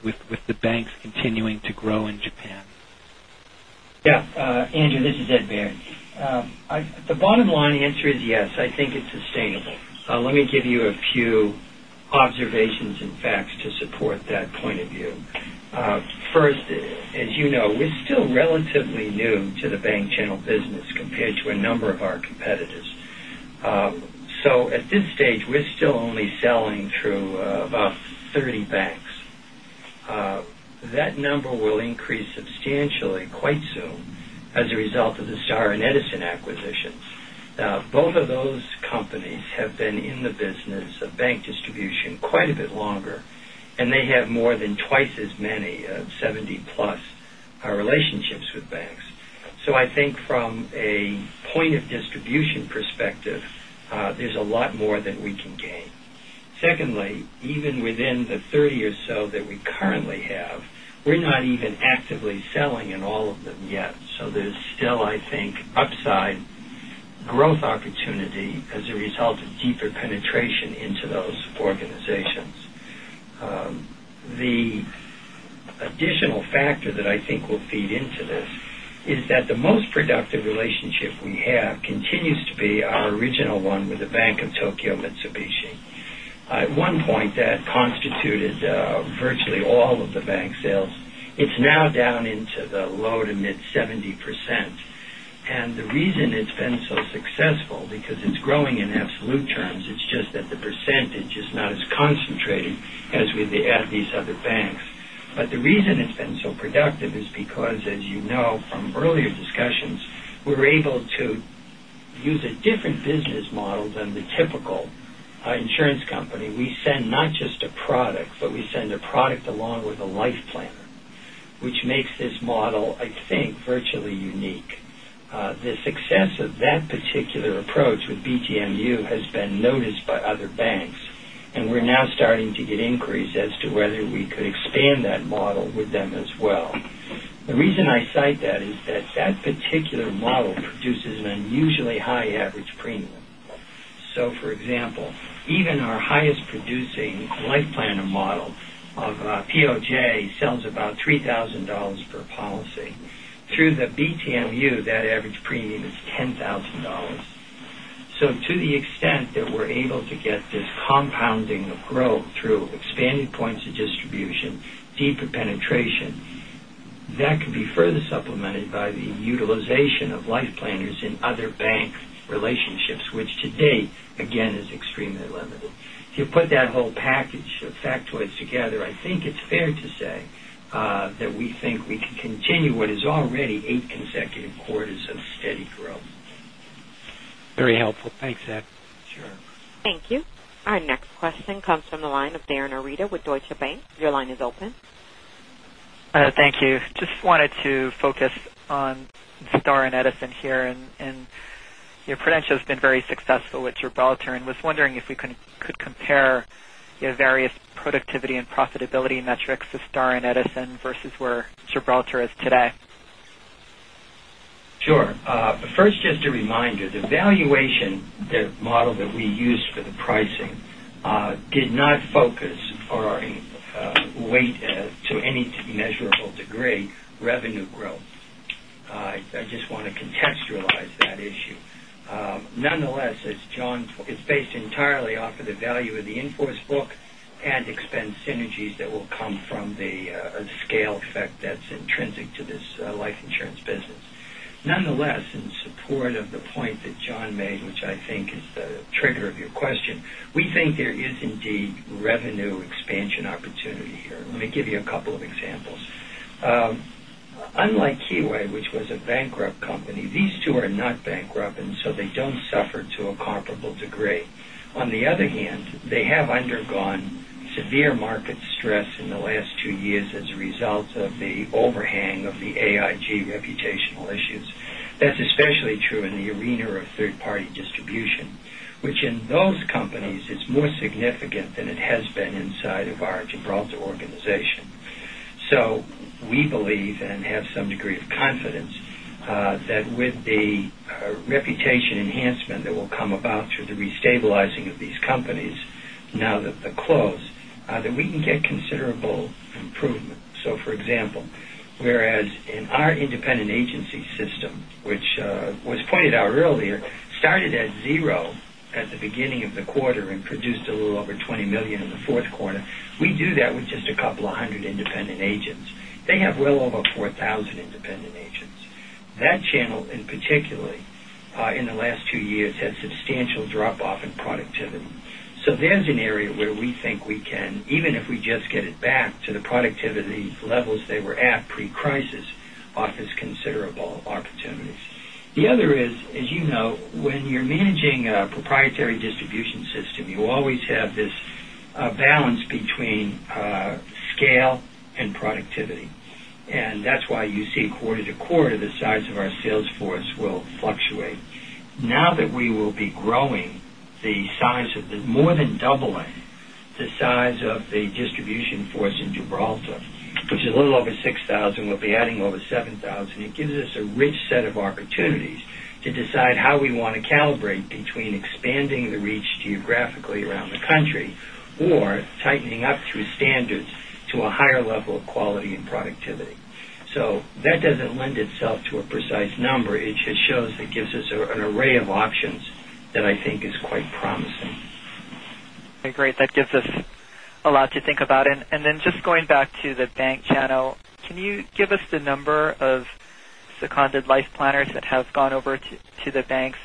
with the banks continuing to grow in Japan. Yeah. Andrew, this is Ed Baird. The bottom line answer is yes. I think it's sustainable. Let me give you a few observations and facts to support that point of view. First, as you know, we're still relatively new to the bank channel business compared to a number of our competitors. At this stage, we're still only selling through about 30 banks. That number will increase substantially quite soon as a result of the Star and Edison acquisitions. Both of those companies have been in the business of bank distribution quite a bit longer, and they have more than twice as many, 70+ relationships with banks. I think from a point of distribution perspective, there's a lot more that we can gain. Secondly, even within the 30 or so that we currently have, we're not even actively selling in all of them yet. There's still, I think, upside growth opportunity as a result of deeper penetration into those organizations. The additional factor that I think will feed into this is that the most productive relationship we have continues to be our original one with Bank of Tokyo-Mitsubishi. At one point, that constituted virtually all of the bank sales. It's now down into the low to mid 70%. The reason it's been so successful, because it's growing in absolute terms, it's just that the percentage is not as concentrated as with these other banks. The reason it's been so productive is because, as you know from earlier discussions, we're able to use a different business model than the typical insurance company. We send not just a product, but we send a product along with a Life Planner, which makes this model, I think, virtually unique. The success of that particular approach with BTMU has been noticed by other banks. We're now starting to get inquiries as to whether we could expand that model with them as well. The reason I cite that is that particular model produces an unusually high average premium. For example, even our highest producing Life Planner model of POJ sells about $3,000 per policy. Through the BTMU, that average premium is $10,000. To the extent that we're able to get this compounding of growth through expanded points of distribution, deeper penetration, that can be further supplemented by the utilization of Life Planners in other bank relationships, which to date, again, is extremely limited. If you put that whole package of factoids together, I think it's fair to say that we think we can continue what is already eight consecutive quarters of steady growth. Very helpful. Thanks, Ed. Sure. Thank you. Our next question comes from the line of Darin Arita with Deutsche Bank. Your line is open. Thank you. Just wanted to focus on Star and Edison here, and Prudential's been very successful with Gibraltar, and was wondering if we could compare your various productivity and profitability metrics to Star and Edison versus where Gibraltar is today. Sure. First, just a reminder, the valuation model that we used for the pricing did not focus or weight to any measurable degree, revenue growth. I just want to contextualize that issue. Nonetheless, it's based entirely off of the value of the in-force book and expense synergies that will come from the scale effect that's intrinsic to this life insurance business. Nonetheless, in support of the point that John made, which I think is the trigger of your question, we think there is indeed revenue expansion opportunity here. Let me give you a couple of examples. Unlike Kyoei, which was a bankrupt company, these two are not bankrupt. They don't suffer to a comparable degree. On the other hand, they have undergone severe market stress in the last two years as a result of the overhang of the AIG reputational issues. That's especially true in the arena of third-party distribution, which in those companies, it's more significant than it has been inside of our Gibraltar organization. We believe and have some degree of confidence, that with the reputation enhancement that will come about through the restabilizing of these companies now that they're closed, that we can get considerable improvement. For example, whereas in our independent agency system, which was pointed out earlier, started at zero at the beginning of the quarter and produced a little over $20 million in the fourth quarter. We do that with just a couple of hundred independent agents. They have well over 4,000 independent agents. That channel, particularly in the last two years, had substantial drop-off in productivity. There's an area where we think we can, even if we just get it back to the productivity levels they were at pre-crisis, offers considerable opportunities. The other is, as you know, when you're managing a proprietary distribution system, you always have this a balance between scale and productivity. That's why you see quarter to quarter, the size of our sales force will fluctuate. Now that we will be more than doubling the size of the distribution force in Gibraltar, which is a little over 6,000, we'll be adding over 7,000. It gives us a rich set of opportunities to decide how we want to calibrate between expanding the reach geographically around the country or tightening up through standards to a higher level of quality and productivity. That doesn't lend itself to a precise number. It just shows it gives us an array of options that I think is quite promising. Great. That gives us a lot to think about. Then just going back to the bank channel, can you give us the number of seconded Life Planners that have gone over to the banks,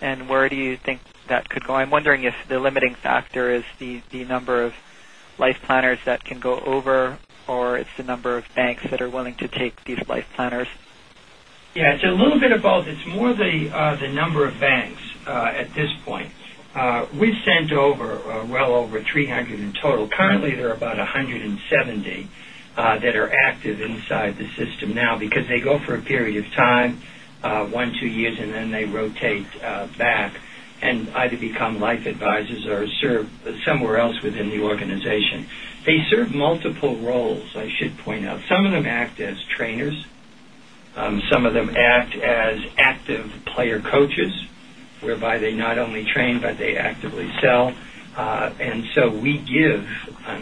and where do you think that could go? I'm wondering if the limiting factor is the number of Life Planners that can go over, or it's the number of banks that are willing to take these Life Planners. It's a little bit of both. It's more the number of banks at this point. We've sent over well over 300 in total. Currently, there are about 170 that are active inside the system now because they go for a period of time, one to two years, and then they rotate back and either become Life Advisors or serve somewhere else within the organization. They serve multiple roles, I should point out. Some of them act as trainers. Some of them act as active player coaches, whereby they not only train, but they actively sell. So we give a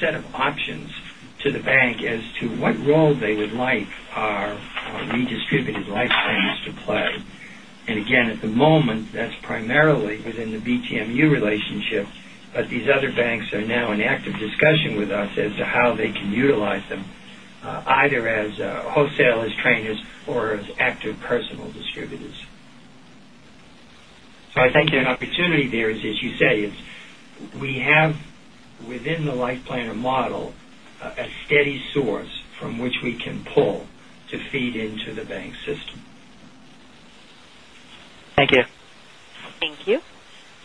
set of options to the bank as to what role they would like our redistributed Life Planners to play. Again, at the moment, that's primarily within the BTMU relationship, but these other banks are now in active discussion with us as to how they can utilize them, either as wholesalers, trainers, or as active personal distributors. I think an opportunity there is, as you say, we have within the Life Planner model, a steady source from which we can pull to feed into the bank system. Thank you. Thank you.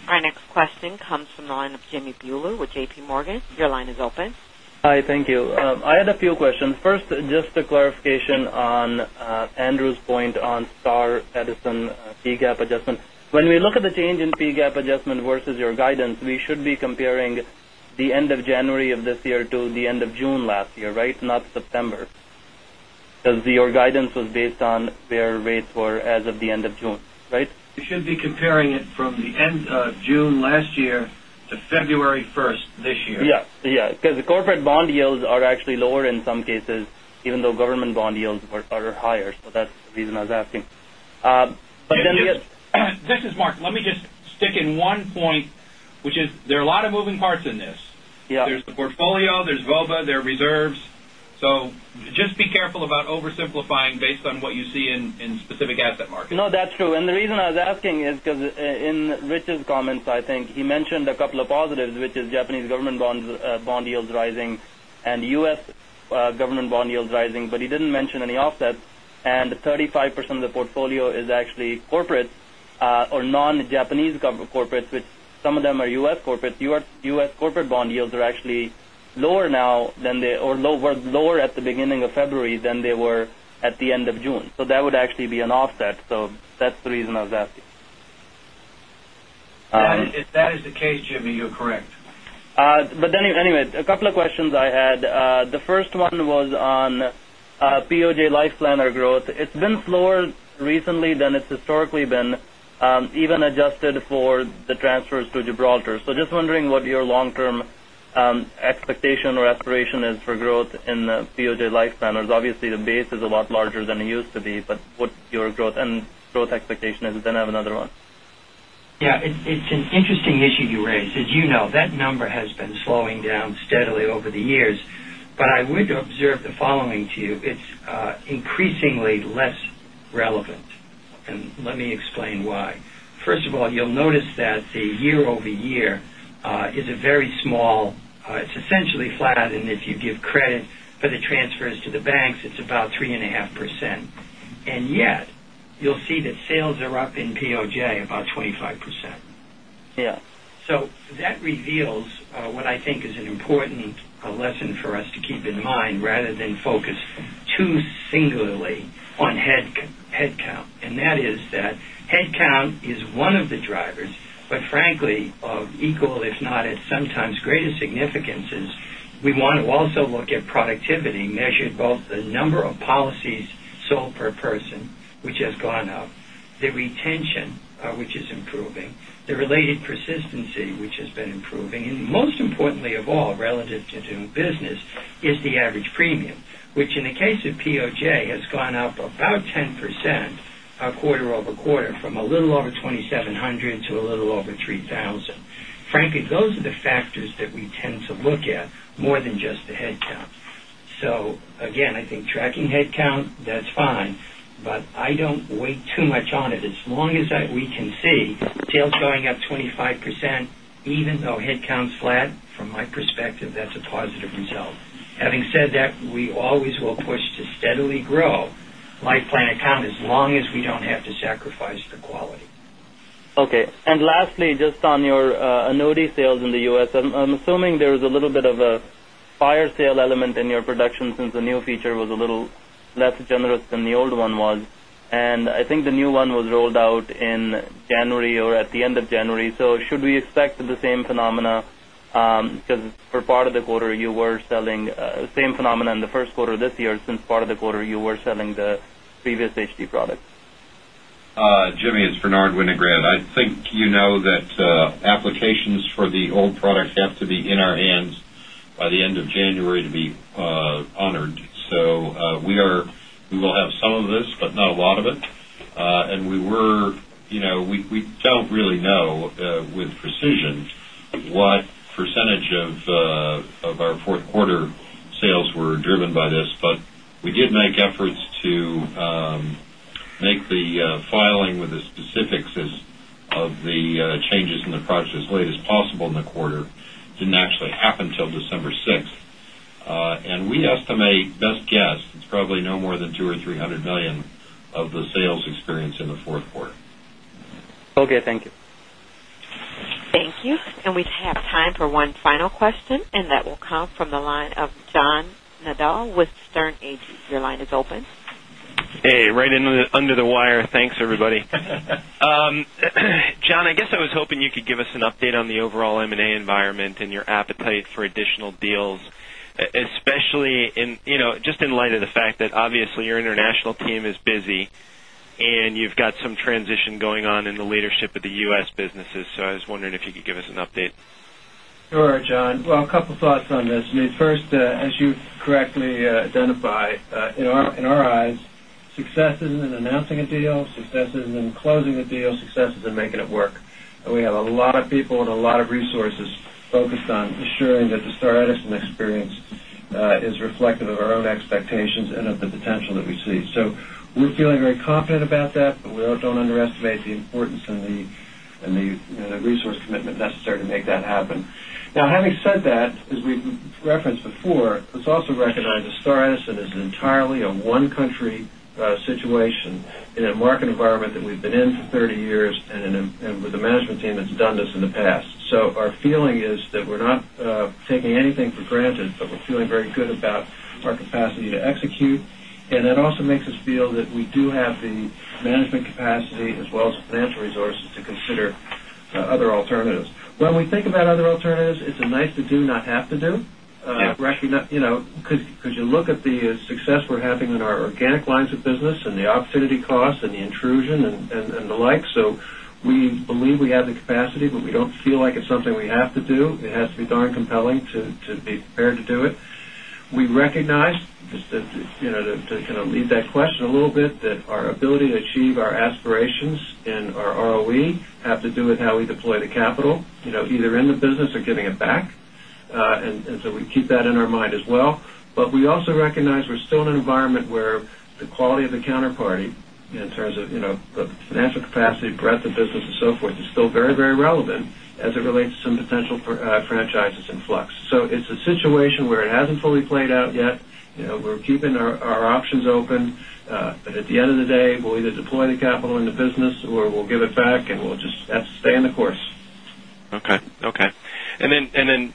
Our next question comes from the line of Jamminder Bhullar with JP Morgan. Your line is open. Hi, thank you. I had a few questions. First, just a clarification on Andrew's point on Star Edison, fee gap adjustment. When we look at the change in fee gap adjustment versus your guidance, we should be comparing the end of January of this year to the end of June last year, right? Not September. Because your guidance was based on their rates as of the end of June, right? You should be comparing it from the end of June last year to February 1st this year. Yes. The corporate bond yields are actually lower in some cases, even though government bond yields are higher. That's the reason I was asking. This is Mark. Let me just stick in one point, which is there are a lot of moving parts in this. Yeah. There's the portfolio, there's VOBA, there are reserves. Just be careful about oversimplifying based on what you see in specific asset markets. No, that's true. The reason I was asking is because in Richard's comments, I think he mentioned a couple of positives, which is Japanese government bond yields rising and U.S. government bond yields rising, but he didn't mention any offsets. 35% of the portfolio is actually corporate or non-Japanese corporate, which some of them are U.S. corporate. U.S. corporate bond yields are actually lower now than they were lower at the beginning of February than they were at the end of June. That would actually be an offset. That's the reason I was asking. If that is the case, Jimmy, you're correct. Anyway, a couple of questions I had. The first one was on POJ LifePlanners growth. It's been slower recently than it's historically been, even adjusted for the transfers to Gibraltar. Just wondering what your long-term expectation or aspiration is for growth in the POJ LifePlanners. Obviously, the base is a lot larger than it used to be, but what's your growth and growth expectation is? I have another one. It's an interesting issue you raise. As you know, that number has been slowing down steadily over the years, but I would observe the following to you. It's increasingly less relevant, and let me explain why. First of all, you'll notice that the year-over-year is a very small, it's essentially flat, and if you give credit for the transfers to the banks, it's about 3.5%. Yet you'll see that sales are up in POJ about 25%. Yeah. That reveals what I think is an important lesson for us to keep in mind rather than focus too singularly on headcount. That is that headcount is one of the drivers, but frankly, of equal, if not at some times greater significance is we want to also look at productivity measured both the number of policies sold per person, which has gone up. The retention, which is improving. The related persistency, which has been improving. Most importantly of all, relative to doing business is the average premium. Which in the case of POJ, has gone up about 10% quarter-over-quarter from a little over $2,700 to a little over $3,000. Frankly, those are the factors that we tend to look at more than just the headcount. Again, I think tracking headcount, that's fine, but I don't weight too much on it. As long as we can see sales going up 25%, even though headcount's flat, from my perspective, that's a positive result. Having said that, we always will push to steadily grow Life Planner, as long as we don't have to sacrifice the quality. Lastly, just on your annuity sales in the U.S., I'm assuming there was a little bit of a fire sale element in your production since the new feature was a little less generous than the old one was. I think the new one was rolled out in January or at the end of January. Should we expect the same phenomena? Because for part of the quarter same phenomena in the first quarter this year, since part of the quarter you were selling the previous HD products. Jimmy, it's Bernard Winograd. I think you know that applications for the old product have to be in our hands by the end of January to be honored. We will have some of this, but not a lot of it. We don't really know with precision what percentage of our fourth quarter sales were driven by this. We did make efforts to make the filing with the specifics of the changes in the product as late as possible in the quarter. Didn't actually happen till December 6th. We estimate, best guess, it's probably no more than $200 million or $300 million of the sales experience in the fourth quarter. Okay. Thank you. Thank you. We have time for one final question, and that will come from the line of John Nadel with Sterne Agee. Your line is open. Hey, right under the wire. Thanks, everybody. John, I guess I was hoping you could give us an update on the overall M&A environment and your appetite for additional deals, especially just in light of the fact that obviously your international team is busy and you've got some transition going on in the leadership of the U.S. businesses. I was wondering if you could give us an update. Sure, John. Well, a couple thoughts on this. First, as you correctly identify, in our eyes, success isn't in announcing a deal. Success isn't in closing a deal. Success is in making it work. We have a lot of people and a lot of resources focused on ensuring that the Star Edison experience is reflective of our own expectations and of the potential that we see. We're feeling very confident about that. We don't underestimate the importance and the resource commitment necessary to make that happen. Now, having said that, as we referenced before, let's also recognize that Star Edison is entirely a one-country situation in a market environment that we've been in for 30 years and with a management team that's done this in the past. Our feeling is that we're not taking anything for granted, but we're feeling very good about our capacity to execute. That also makes us feel that we do have the management capacity as well as the financial resources to consider other alternatives. When we think about other alternatives, it's a nice to do, not have to do. Yeah. Because you look at the success we're having in our organic lines of business and the opportunity cost and the intrusion and the like. We believe we have the capacity, but we don't feel like it's something we have to do. It has to be darn compelling to be prepared to do it. We recognize, to kind of lead that question a little bit, that our ability to achieve our aspirations in our ROE have to do with how we deploy the capital, either in the business or giving it back. We keep that in our mind as well. We also recognize we're still in an environment where the quality of the counterparty in terms of the financial capacity, breadth of business, and so forth, is still very relevant as it relates to some potential franchises in flux. It's a situation where it hasn't fully played out yet. We're keeping our options open. At the end of the day, we'll either deploy the capital in the business or we'll give it back, and we'll just have to stay in the course. Okay.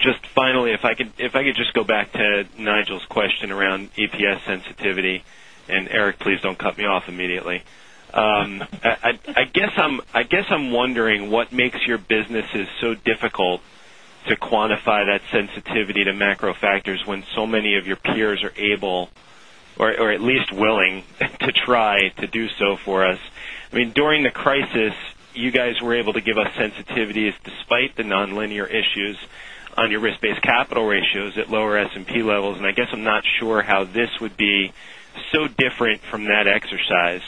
Just finally, if I could just go back to Nigel's question around EPS sensitivity. Eric, please don't cut me off immediately. I guess I'm wondering what makes your businesses so difficult to quantify that sensitivity to macro factors when so many of your peers are able, or at least willing to try to do so for us. During the crisis, you guys were able to give us sensitivities despite the nonlinear issues on your risk-based capital ratios at lower S&P levels. I guess I'm not sure how this would be so different from that exercise.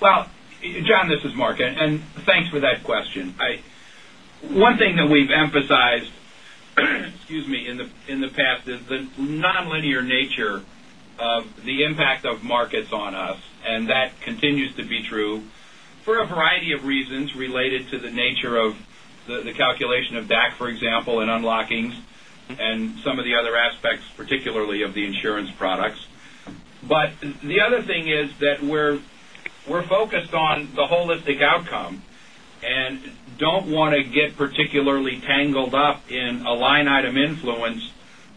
Well, John, this is Mark, and thanks for that question. One thing that we've emphasized in the past is the nonlinear nature of the impact of markets on us. That continues to be true for a variety of reasons related to the nature of the calculation of DAC, for example, and unlockings and some of the other aspects, particularly of the insurance products. The other thing is that we're focused on the holistic outcome and don't want to get particularly tangled up in a line item influence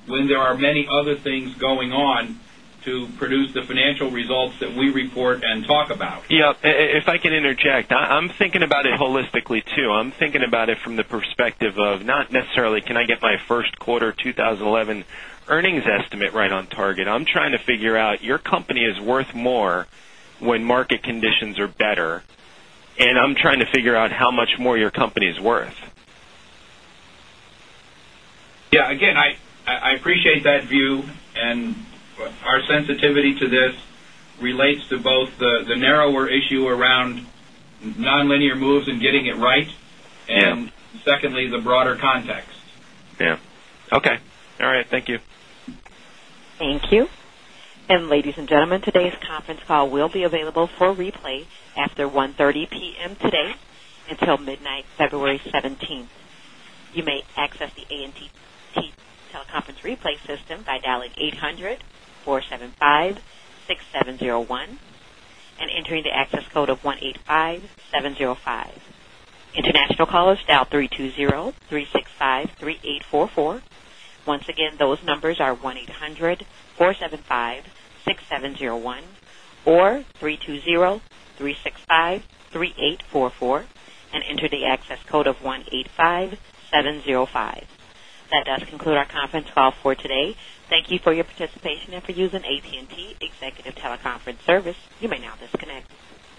when there are many other things going on to produce the financial results that we report and talk about. Yeah. If I can interject, I'm thinking about it holistically, too. I'm thinking about it from the perspective of not necessarily can I get my first quarter 2011 earnings estimate right on target. I'm trying to figure out your company is worth more when market conditions are better, and I'm trying to figure out how much more your company is worth. Yeah. Again, I appreciate that view. Our sensitivity to this relates to both the narrower issue around nonlinear moves and getting it right. Yeah. Secondly, the broader context. Yeah. Okay. All right. Thank you. Thank you. Ladies and gentlemen, today's conference call will be available for replay after 1:30 P.M. today until midnight February 17th. You may access the AT&T teleconference replay system by dialing 800-475-6701 and entering the access code of 185705. International callers dial 3203653844. Once again, those numbers are 1-800-475-6701 or 3203653844, and enter the access code of 185705. That does conclude our conference call for today. Thank you for your participation and for using AT&T executive teleconference service. You may now disconnect.